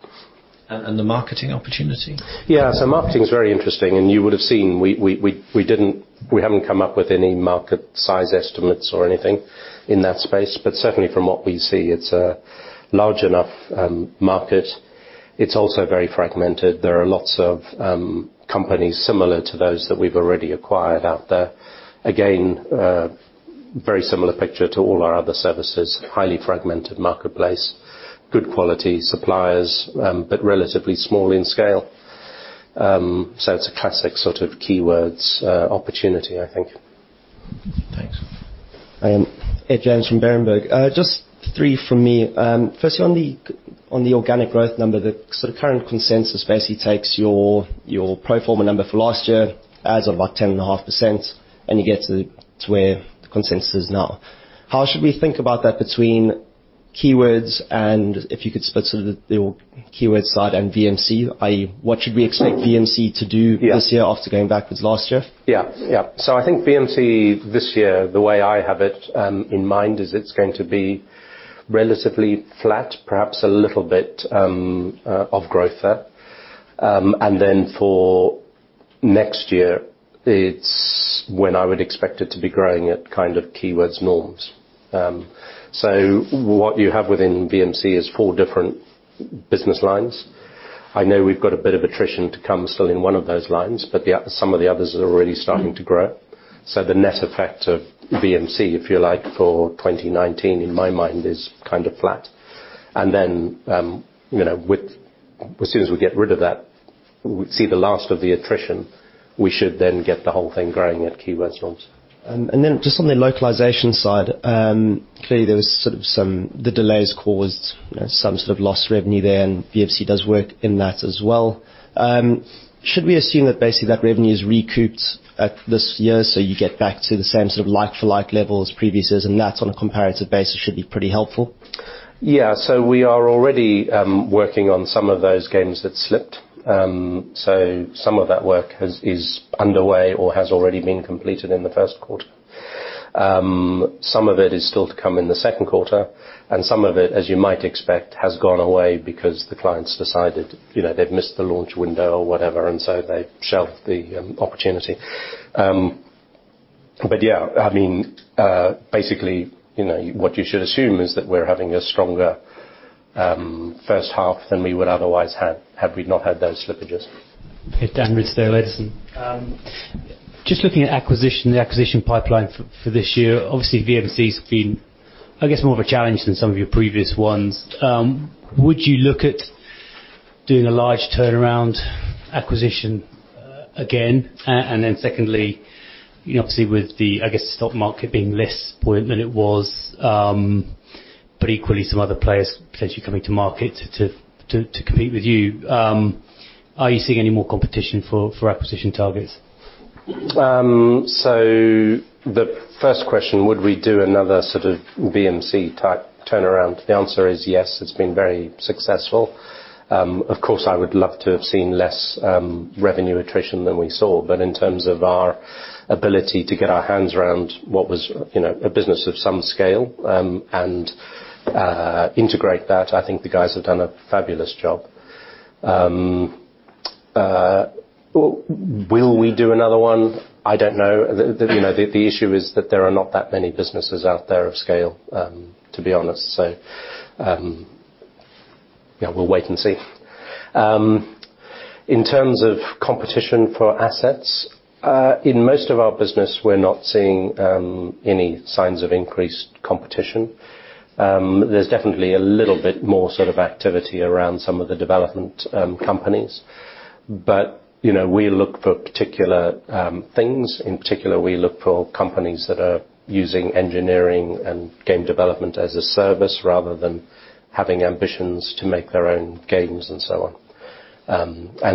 The marketing opportunity? Yeah. Marketing is very interesting. You would have seen we haven't come up with any market size estimates or anything in that space. Certainly from what we see, it's a large enough market. It's also very fragmented. There are lots of companies similar to those that we've already acquired out there. Again, very similar picture to all our other services, highly fragmented marketplace, good quality suppliers, but relatively small in scale. It's a classic sort of Keywords opportunity, I think. Thanks. Ed James from Berenberg. Just three from me. Firstly, on the organic growth number, the sort of current consensus basically takes your pro forma number for last year as of like 10.5%, and you get to where the consensus is now. How should we think about that between Keywords and if you could split sort of the Keywords side and VMC, i.e., what should we expect VMC to do- Yeah this year after going backwards last year? I think VMC this year, the way I have it in mind is it's going to be relatively flat, perhaps a little bit of growth there. For next year, it's when I would expect it to be growing at kind of Keywords Studios norms. What you have within VMC is four different business lines. I know we've got a bit of attrition to come still in one of those lines, but some of the others are already starting to grow. The net effect of VMC, if you like, for 2019 in my mind is kind of flat. As soon as we get rid of that, we see the last of the attrition, we should then get the whole thing growing at Keywords Studios norms. Just on the localization side, clearly there was sort of some, the delays caused some sort of lost revenue there, and VMC does work in that as well. Should we assume that basically that revenue is recouped at this year, you get back to the same sort of like-for-like level as previous years, and that on a comparative basis should be pretty helpful? We are already working on some of those games that slipped. Some of that work is underway or has already been completed in the first quarter. Some of it is still to come in the second quarter, some of it, as you might expect, has gone away because the client's decided they've missed the launch window or whatever, they shelved the opportunity. Basically, what you should assume is that we're having a stronger first half than we would otherwise have had we not had those slippages. Dan Ridsdale, Edison. Just looking at acquisition, the acquisition pipeline for this year. Obviously, VMC has been, I guess, more of a challenge than some of your previous ones. Would you look at doing a large turnaround acquisition again? Secondly, obviously with the, I guess, stock market being less buoyant than it was, equally some other players potentially coming to market to compete with you, are you seeing any more competition for acquisition targets? The first question, would we do another sort of VMC-type turnaround? The answer is yes. It's been very successful. Of course, I would love to have seen less revenue attrition than we saw, but in terms of our ability to get our hands around what was a business of some scale, and integrate that, I think the guys have done a fabulous job. Will we do another one? I don't know. The issue is that there are not that many businesses out there of scale, to be honest. We'll wait and see. In terms of competition for assets, in most of our business, we're not seeing any signs of increased competition. There's definitely a little bit more sort of activity around some of the development companies. We look for particular things. In particular, we look for companies that are using engineering and game development as a service rather than having ambitions to make their own games and so on. I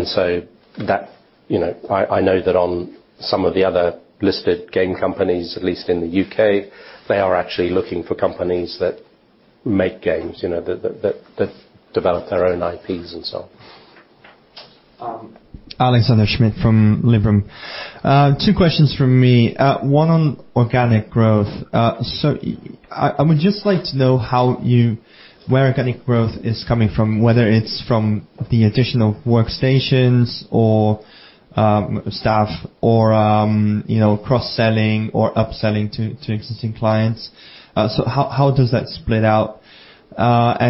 know that on some of the other listed game companies, at least in the U.K., they are actually looking for companies that make games, that develop their own IPs and so on. Alexander Schmidt from Liberum. Two questions from me. One on organic growth. I would just like to know where organic growth is coming from, whether it's from the additional workstations or staff or cross-selling or upselling to existing clients. How does that split out?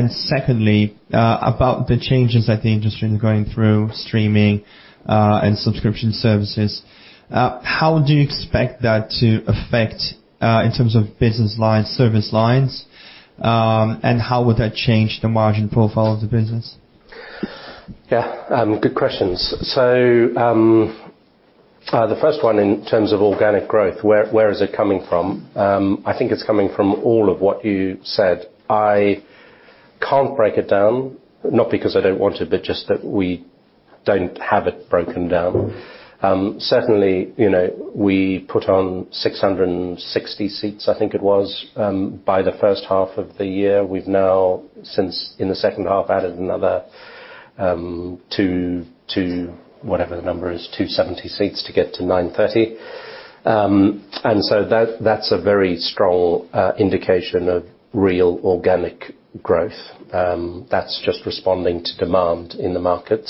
Secondly, about the changes that the industry is going through, streaming, and subscription services, how do you expect that to affect, in terms of business lines, service lines, and how would that change the margin profile of the business? Yeah. Good questions. The first one in terms of organic growth, where is it coming from? I think it's coming from all of what you said. I can't break it down, not because I don't want to, but just that we don't have it broken down. Certainly, we put on 660 seats, I think it was, by the first half of the year. We've now, since in the second half, added another two, whatever the number is, 270 seats to get to 930. That's a very strong indication of real organic growth. That's just responding to demand in the market.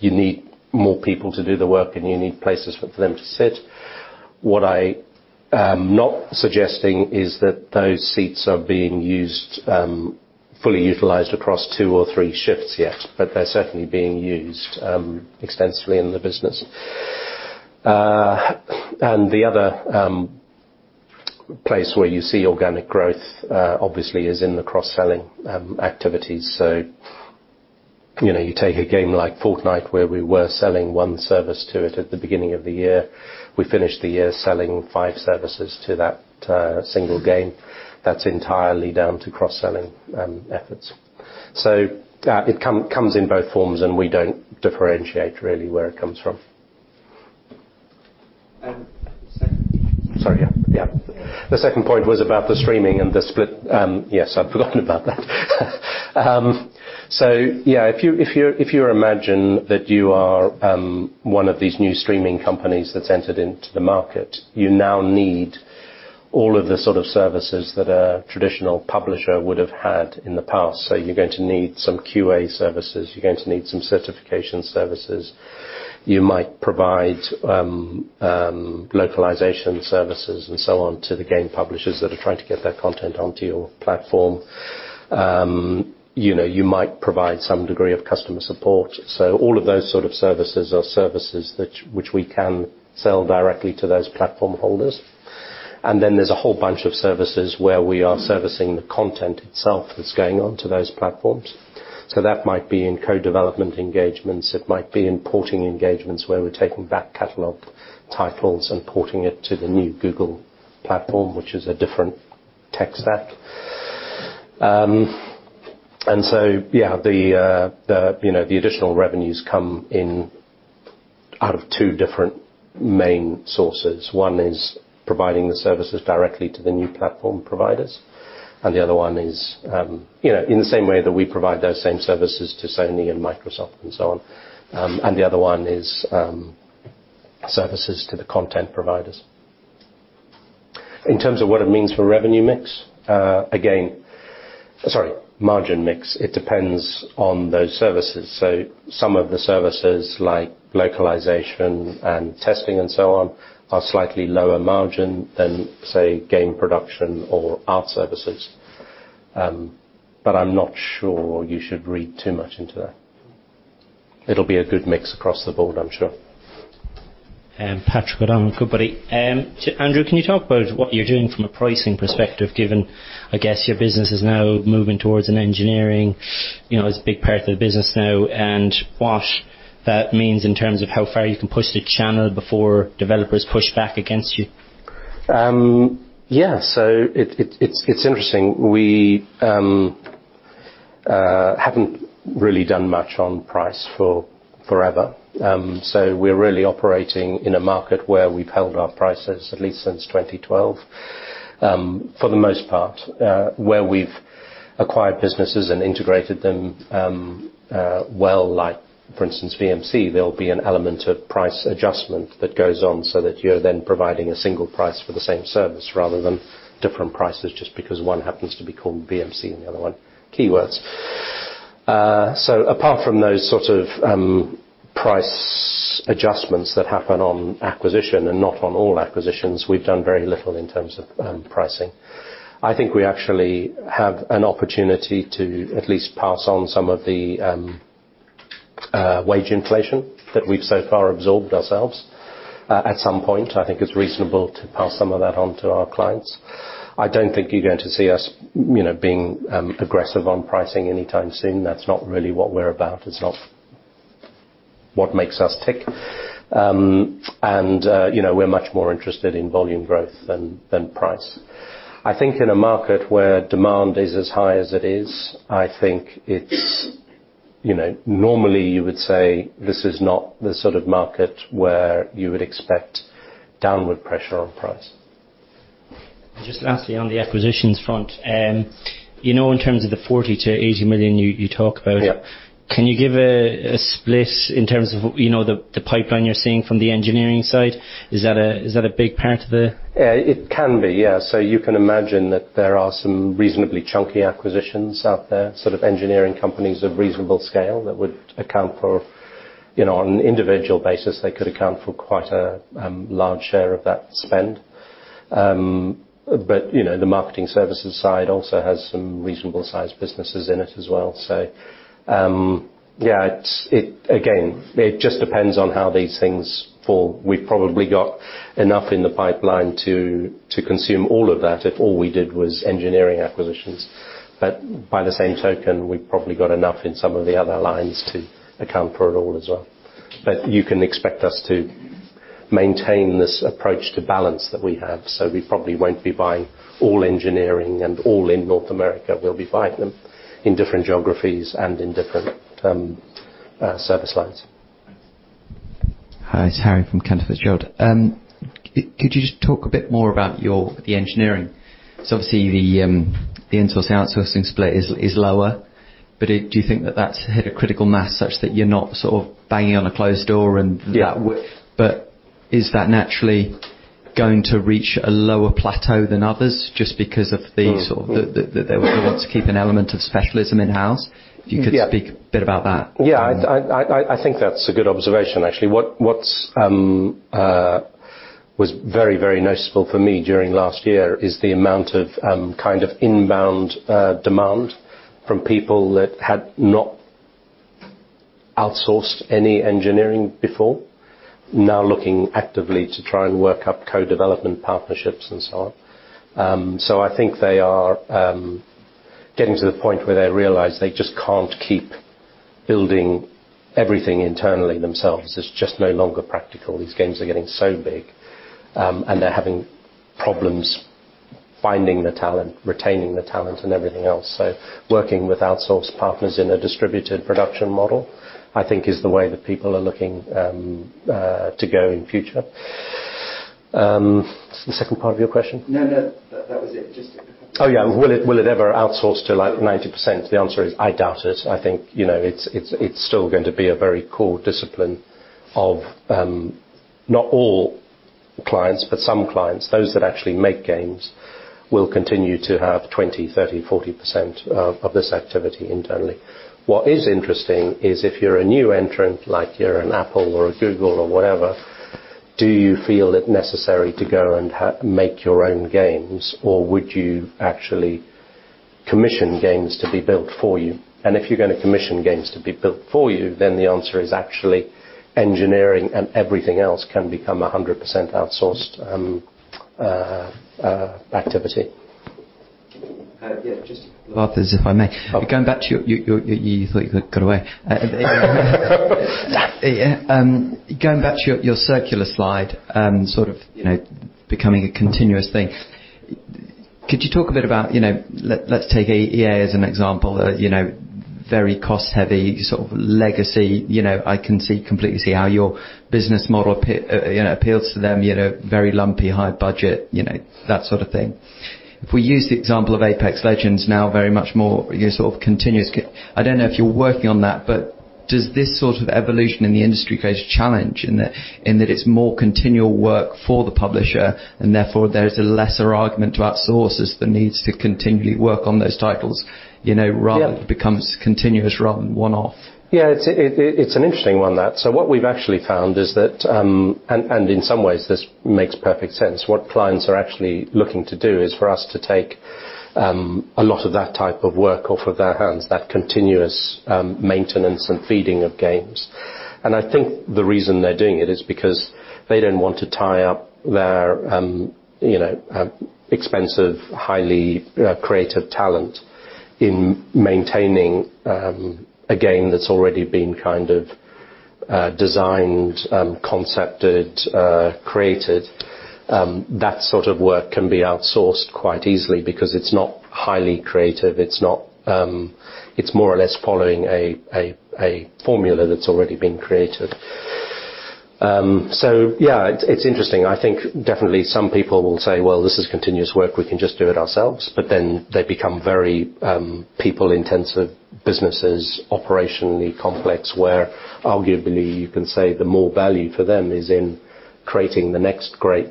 You need more people to do the work, and you need places for them to sit. What I am not suggesting is that those seats are being used, fully utilized across two or three shifts yet, but they're certainly being used extensively in the business. The other place where you see organic growth, obviously, is in the cross-selling activities. You take a game like Fortnite, where we were selling one service to it at the beginning of the year. We finished the year selling five services to that single game. That's entirely down to cross-selling efforts. It comes in both forms, and we don't differentiate really where it comes from. The second Sorry, yeah. The second point was about the streaming and the split. Yes, I'd forgotten about that. If you imagine that you are one of these new streaming companies that's entered into the market, you now need all of the sort of services that a traditional publisher would have had in the past. You're going to need some QA services. You're going to need some certification services. You might provide localization services and so on to the game publishers that are trying to get their content onto your platform. You might provide some degree of customer support. All of those sort of services are services which we can sell directly to those platform holders. Then there's a whole bunch of services where we are servicing the content itself that's going onto those platforms. That might be in co-development engagements. It might be in porting engagements where we're taking back catalog titles and porting it to the new Google platform, which is a different tech stack. The additional revenues come in out of two different main sources. One is providing the services directly to the new platform providers, and the other one is in the same way that we provide those same services to Sony and Microsoft and so on. The other one is services to the content providers. In terms of what it means for revenue mix, sorry, margin mix, it depends on those services. Some of the services like localization and testing and so on are slightly lower margin than, say, game production or art services. I'm not sure you should read too much into that. It'll be a good mix across the board, I'm sure. Patrick O'Donnell, Goodbody. Andrew, can you talk about what you're doing from a pricing perspective, given, I guess your business is now moving towards an engineering, it's a big part of the business now, and what that means in terms of how far you can push the channel before developers push back against you? Yeah. It's interesting. We haven't really done much on price forever. We're really operating in a market where we've held our prices at least since 2012. For the most part where we've acquired businesses and integrated them well, like for instance, VMC, there'll be an element of price adjustment that goes on so that you're then providing a single price for the same service rather than different prices, just because one happens to be called VMC and the other one Keywords. Apart from those sort of price adjustments that happen on acquisition, and not on all acquisitions, we've done very little in terms of pricing. I think we actually have an opportunity to at least pass on some of the wage inflation that we've so far absorbed ourselves. At some point, I think it's reasonable to pass some of that on to our clients. I don't think you're going to see us being aggressive on pricing anytime soon. That's not really what we're about. It's not what makes us tick. We're much more interested in volume growth than price. I think in a market where demand is as high as it is, I think it's normally you would say this is not the sort of market where you would expect downward pressure on price. Just lastly, on the acquisitions front, in terms of the 40 million-80 million you talk about Yeah Can you give a split in terms of the pipeline you're seeing from the engineering side? Is that a big part of the? Yeah, it can be. Yeah. You can imagine that there are some reasonably chunky acquisitions out there, sort of engineering companies of reasonable scale that would account for, on an individual basis, they could account for quite a large share of that spend. The marketing services side also has some reasonable-sized businesses in it as well. Yeah, again, it just depends on how these things fall. We've probably got enough in the pipeline to consume all of that if all we did was engineering acquisitions. By the same token, we've probably got enough in some of the other lines to account for it all as well. You can expect us to maintain this approach to balance that we have. We probably won't be buying all engineering and all in North America. We'll be buying them in different geographies and in different service lines. Hi, it's Harry from Canaccord Genuity. Obviously, the insource, outsource in split is lower, do you think that that's hit a critical mass such that you're not sort of banging on a closed door and? Yeah Is that naturally going to reach a lower plateau than others just because of the sort? they want to keep an element of specialism in-house? Yeah. If you could speak a bit about that. Yeah. I think that's a good observation, actually. What was very noticeable for me during last year is the amount of inbound demand from people that had not outsourced any engineering before, now looking actively to try and work up co-development partnerships and so on. I think they are getting to the point where they realize they just can't keep building everything internally themselves. It's just no longer practical. These games are getting so big, and they're having problems finding the talent, retaining the talent, and everything else. Working with outsource partners in a distributed production model, I think is the way that people are looking to go in future. The second part of your question? No, no. That was it. Oh, yeah. Will it ever outsource to 90%? The answer is, I doubt it. I think it's still going to be a very core discipline of not all clients, but some clients. Those that actually make games will continue to have 20%, 30%, 40% of this activity internally. What is interesting is if you're a new entrant, like you're an Apple or a Google or whatever, do you feel it necessary to go and make your own games, or would you actually commission games to be built for you? If you're going to commission games to be built for you, then the answer is actually engineering and everything else can become 100% outsourced activity. Yeah, just last, if I may. Oh. Going back to your You thought you could go away. Going back to your circular slide, sort of becoming a continuous thing. Could you talk a bit about, let's take EA as an example, very cost-heavy sort of legacy. I can completely see how your business model appeals to them, very lumpy, high budget, that sort of thing. If we use the example of Apex Legends now very much more sort of continuous I don't know if you're working on that, but does this sort of evolution in the industry create a challenge in that it's more continual work for the publisher, and therefore, there is a lesser argument to outsource as the needs to continually work on those titles, rather- Yeah becomes continuous rather than one-off? It's an interesting one, that. What we've actually found is that, and in some ways this makes perfect sense, what clients are actually looking to do is for us to take a lot of that type of work off of their hands, that continuous maintenance and feeding of games. I think the reason they're doing it is because they don't want to tie up their expensive, highly creative talent in maintaining a game that's already been kind of designed, concepted, created. That sort of work can be outsourced quite easily because it's not highly creative. It's more or less following a formula that's already been created. Yeah, it's interesting. I think definitely some people will say, "Well, this is continuous work. We can just do it ourselves." They become very people-intensive businesses, operationally complex, where arguably you can say the more value for them is in creating the next great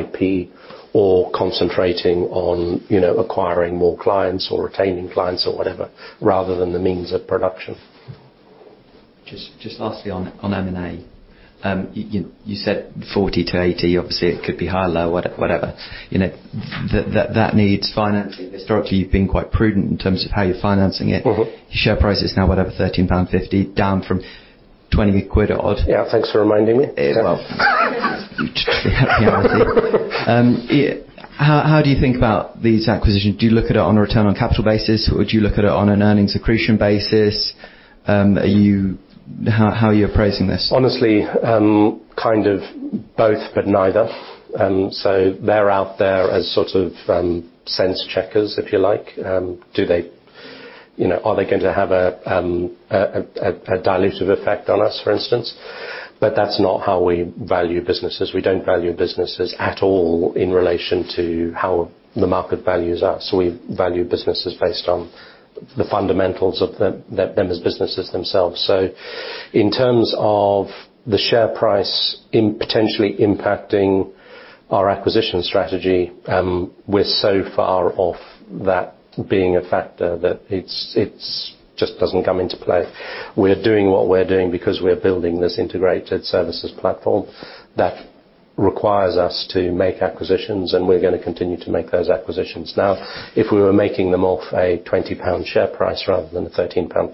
IP or concentrating on acquiring more clients or retaining clients or whatever, rather than the means of production. Just lastly on M&A. You said 40 million-80 million. Obviously, it could be high or low, whatever. That needs financing. Historically, you've been quite prudent in terms of how you're financing it. Share price is now, whatever, 13.50 pound, down from 20 quid odd. Yeah, thanks for reminding me. Well, happy to. How do you think about these acquisitions? Do you look at it on a return on capital basis, or do you look at it on an earnings accretion basis? How are you appraising this? Honestly, kind of both, but neither. They're out there as sort of sense checkers, if you like. Are they going to have a dilutive effect on us, for instance? That's not how we value businesses. We don't value businesses at all in relation to how the market values us. We value businesses based on the fundamentals of them as businesses themselves. In terms of the share price potentially impacting our acquisition strategy, we're so far off that being a factor that it just doesn't come into play. We're doing what we're doing because we're building this integrated services platform that requires us to make acquisitions, and we're going to continue to make those acquisitions. Now, if we were making them off a 20 pound share price rather than a 13.50 pound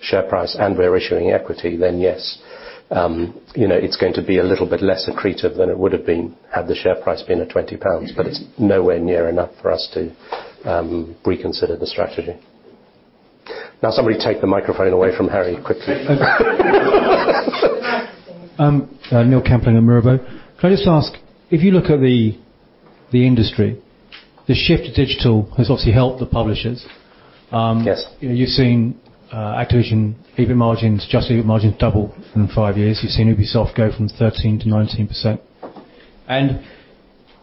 share price, and we're issuing equity, then yes, it's going to be a little bit less accretive than it would have been had the share price been at 20 pounds. It's nowhere near enough for us to reconsider the strategy. Now somebody take the microphone away from Harry quickly. Neil Campling at Mirabaud. Can I just ask, if you look at the industry, the shift to digital has obviously helped the publishers. Yes. You've seen Activision adjusted EBIT margins double in five years. You've seen Ubisoft go from 13% to 19%.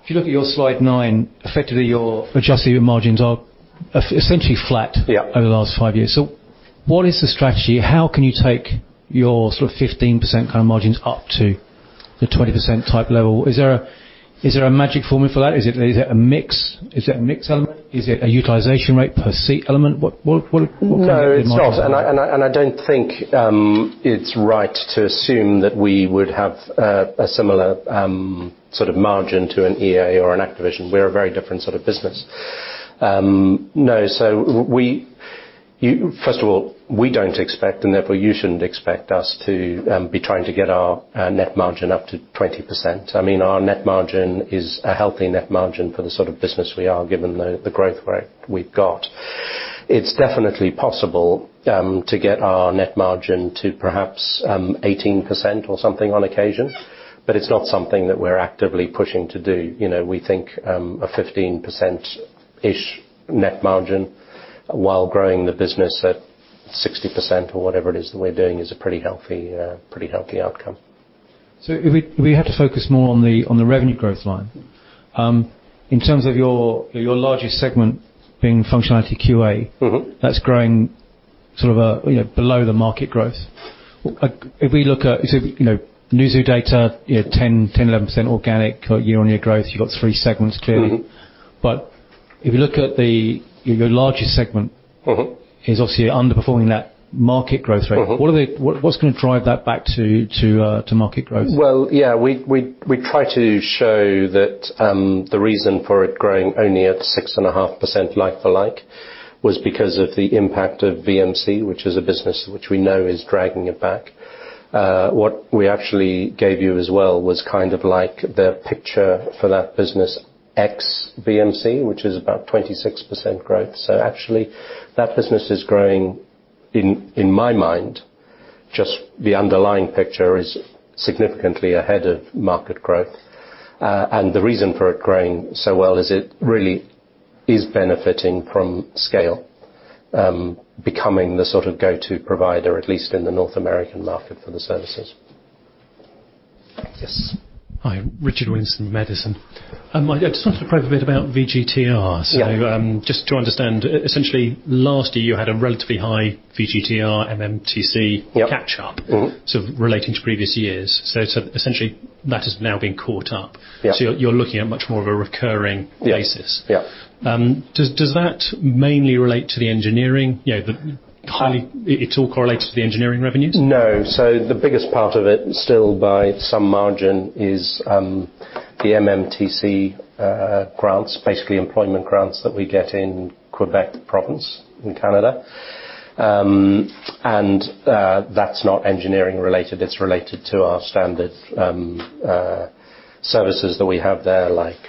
If you look at your slide nine, effectively, your adjusted margins are essentially flat- Yeah over the last five years. What is the strategy? How can you take your 15% kind of margins up to the 20% type level? Is there a magic formula for that? Is it a mix element? Is it a utilization rate per seat element? What kind of a margin? No, it's not. I don't think it's right to assume that we would have a similar sort of margin to an EA or an Activision. We're a very different sort of business. No. First of all, we don't expect, therefore you shouldn't expect us to be trying to get our net margin up to 20%. Our net margin is a healthy net margin for the sort of business we are, given the growth rate we've got. It's definitely possible to get our net margin to perhaps 18% or something on occasion, but it's not something that we're actively pushing to do. We think a 15%-ish net margin while growing the business at 60% or whatever it is that we're doing, is a pretty healthy outcome. if we had to focus more on the revenue growth line. In terms of your largest segment being functionality QA that's growing sort of below the market growth. If we look at Newzoo data, 10%, 11% organic year-on-year growth, you've got three segments clearly. If you look at the larger segment is obviously underperforming that market growth rate. What's going to drive that back to market growth? Well, yeah, we try to show that the reason for it growing only at 6.5% like for like was because of the impact of VMC, which is a business which we know is dragging it back. What we actually gave you as well was kind of like the picture for that business ex VMC, which is about 26% growth. Actually, that business is growing in my mind, just the underlying picture is significantly ahead of market growth. And the reason for it growing so well is it really is benefiting from scale, becoming the sort of go-to provider, at least in the North American market for the services. Yes. Hi, Richard Winston, Madison. I just want to probe a bit about VGTR. Yeah. Just to understand, essentially, last year you had a relatively high VGTR, MMTC catch-up. Yep sort of relating to previous years. Essentially, that has now been caught up. Yeah. You're looking at much more of a recurring basis. Yeah. Does that mainly relate to the engineering? It all correlates to the engineering revenues? No. The biggest part of it, still by some margin, is the VGTR grants, basically employment grants that we get in Quebec province in Canada. That's not engineering related, it's related to our standard services that we have there, like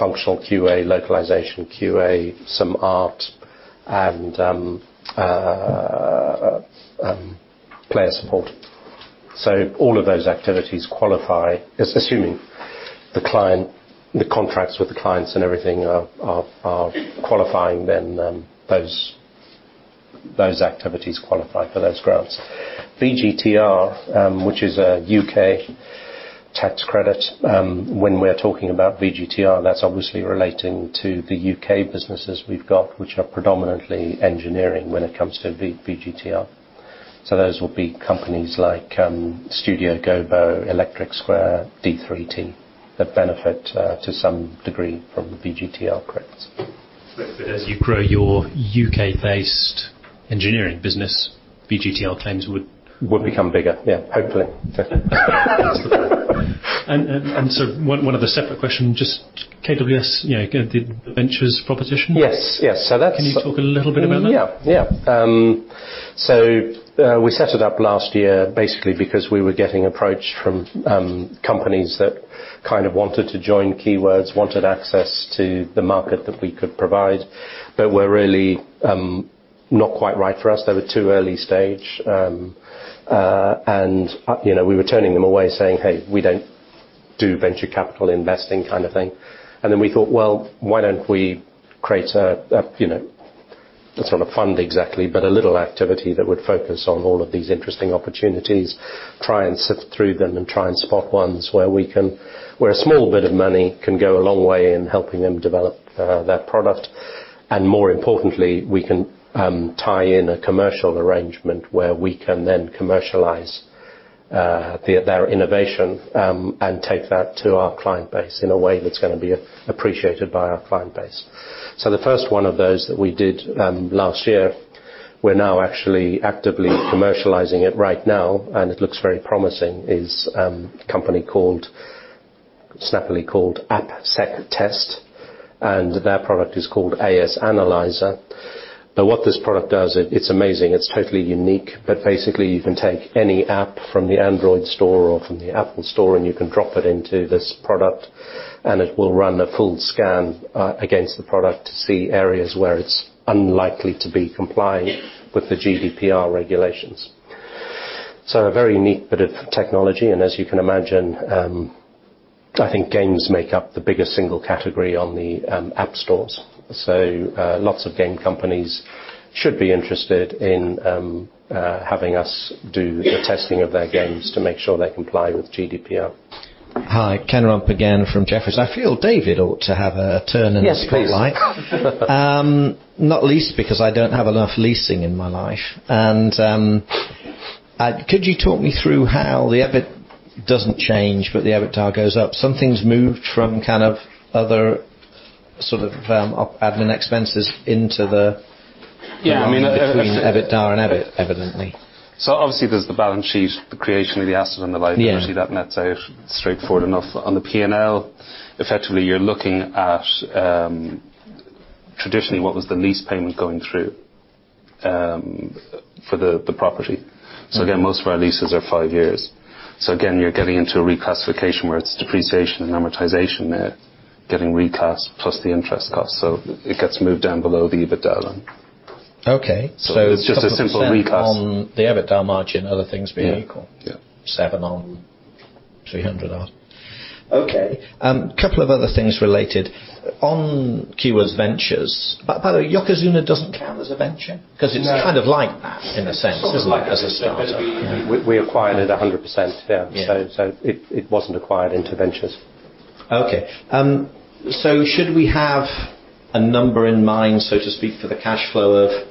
functional QA, localization QA, some art, and player support. All of those activities qualify, assuming the contracts with the clients and everything are qualifying, then those activities qualify for those grants. VGTR, which is a U.K. tax credit. When we're talking about VGTR, that's obviously relating to the U.K. businesses we've got, which are predominantly engineering when it comes to VGTR. Those will be companies like Studio Gobo, Electric Square, d3t, that benefit to some degree from the VGTR credits. As you grow your U.K.-based engineering business, VGTR claims would Would become bigger. Yeah, hopefully. One other separate question, just KWS, kind of the ventures proposition. Yes. Can you talk a little bit about that? Yeah. We set it up last year basically because we were getting approached from companies that kind of wanted to join Keywords, wanted access to the market that we could provide, but were really not quite right for us. They were too early stage. We were turning them away saying, "Hey, we don't do venture capital investing kind of thing." We thought, well, why don't we create a sort of fund exactly, but a little activity that would focus on all of these interesting opportunities, try and sift through them, and try and spot ones where a small bit of money can go a long way in helping them develop their product. More importantly, we can tie in a commercial arrangement where we can then commercialize their innovation, and take that to our client base in a way that's going to be appreciated by our client base. The first one of those that we did last year, we're now actually actively commercializing it right now, and it looks very promising, is a company snappily called AppSecTest, and their product is called AS Analyzer. What this product does, it's amazing, it's totally unique. Basically you can take any app from the Android store or from the Apple store and you can drop it into this product, and it will run a full scan against the product to see areas where it's unlikely to be compliant with the GDPR regulations. A very unique bit of technology, and as you can imagine, I think games make up the biggest single category on the app stores. Lots of game companies should be interested in having us do the testing of their games to make sure they comply with GDPR. Hi, Ken Rumph again from Jefferies. I feel David ought to have a turn in the spotlight. Yes, please. Not lease because I don't have lot of leasing in my life. Could you talk me through how the EBIT doesn't change, but the EBITDA goes up? Something's moved from kind of other sort of admin expenses into the- Yeah, I mean- - between EBITDA and EBIT, evidently. obviously there's the balance sheet, the creation of the asset and the liability. Yeah that nets out straightforward enough. On the P&L, effectively you're looking at traditionally what was the lease payment going through for the property. Again, most of our leases are five years. Again, you're getting into a reclassification where it's depreciation and amortization there, getting recast, plus the interest cost. It gets moved down below the EBITDA line. Okay. It's just a simple recast on the EBITDA margin, other things being equal. Yeah. Seven on 300 odd. Okay. Couple of other things related. On Keywords Ventures, by the way, Yokozuna doesn't count as a venture? No. It's kind of like that in a sense, isn't it, as a starter. We acquired it 100%, yeah. Yeah. It wasn't acquired into Keywords Ventures. Okay. Should we have a number in mind, so to speak, for the cash flow of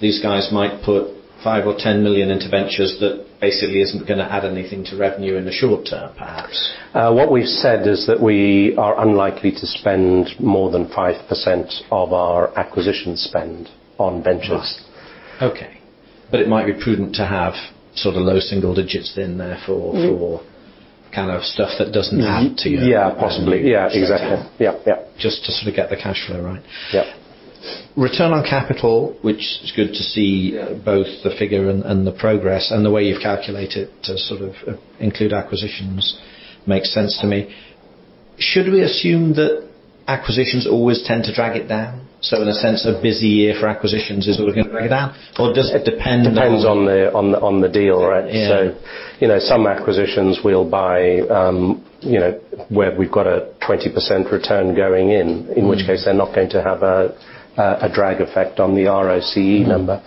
these guys might put 5 million or 10 million into Keywords Ventures that basically isn't going to add anything to revenue in the short term, perhaps? What we've said is that we are unlikely to spend more than 5% of our acquisition spend on Keywords Ventures. Right. Okay. It might be prudent to have sort of low single digits in there for- kind of stuff that doesn't add to your. Yeah. Possibly. Yeah, exactly. Yeah. Just to sort of get the cash flow right. Yeah. Return on capital, which is good to see both the figure and the progress and the way you've calculated to sort of include acquisitions makes sense to me. Should we assume that acquisitions always tend to drag it down? In the sense a busy year for acquisitions is only going to drag it down? Or does it depend on. Depends on the deal, right? Yeah. Some acquisitions we'll buy where we've got a 20% return going in which case they're not going to have a drag effect on the ROCE number.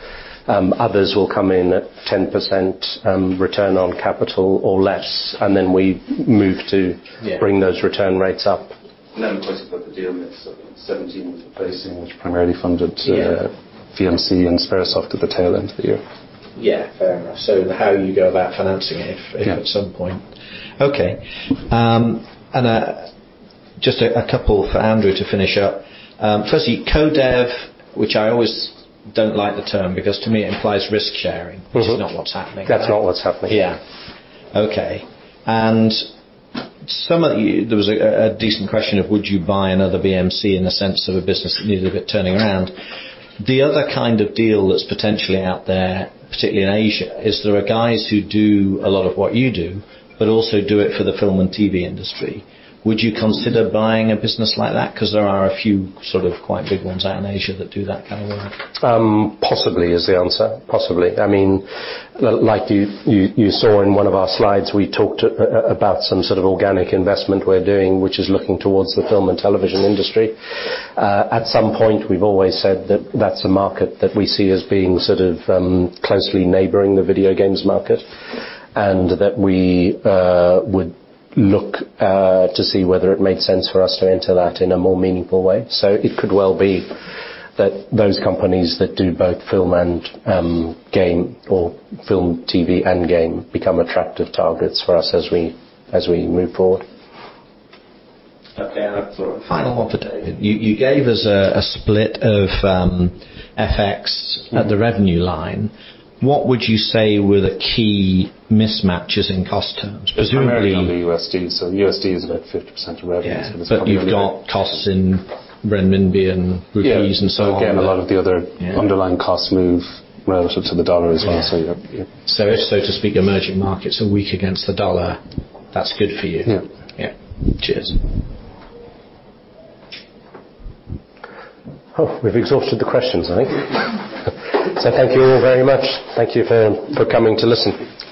Others will come in at 10% return on capital or less. Yeah bring those return rates up. Of course, you've got the deal mix of the 2017 placing, which primarily. Yeah VMC and Sperasoft at the tail end of the year. Yeah. Fair enough. How you go about financing it? Yeah at some point. Okay. Just a couple for Andrew to finish up. Firstly, co-development, which I always don't like the term, because to me it implies risk sharing. Which is not what's happening. That's not what's happening. Yeah. Okay. There was a decent question of would you buy another VMC in the sense of a business that needed a bit turning around. The other kind of deal that's potentially out there, particularly in Asia, is there are guys who do a lot of what you do, but also do it for the film and TV industry. Would you consider buying a business like that? Because there are a few sort of quite big ones out in Asia that do that kind of work. Possibly is the answer. Possibly. Like you saw in one of our slides, we talked about some sort of organic investment we're doing, which is looking towards the film and television industry. At some point, we've always said that that's a market that we see as being sort of closely neighboring the video games market, and that we would look to see whether it made sense for us to enter that in a more meaningful way. It could well be that those companies that do both film and game or film, TV and game become attractive targets for us as we move forward. Okay, a final one for David. You gave us a split of FX at the revenue line. What would you say were the key mismatches in cost terms? It's primarily on the USD. USD is about 50% of revenue, there's probably. Yeah. You've got costs in renminbi and rupees. Yeah So on. Again, a lot of the other. Yeah underlying costs move relative to the dollar as well. Yeah. You have Yeah. If, so to speak, emerging markets are weak against the dollar, that's good for you. Yeah. Yeah. Cheers. Oh, we've exhausted the questions, I think. Thank you all very much. Thank you for coming to listen.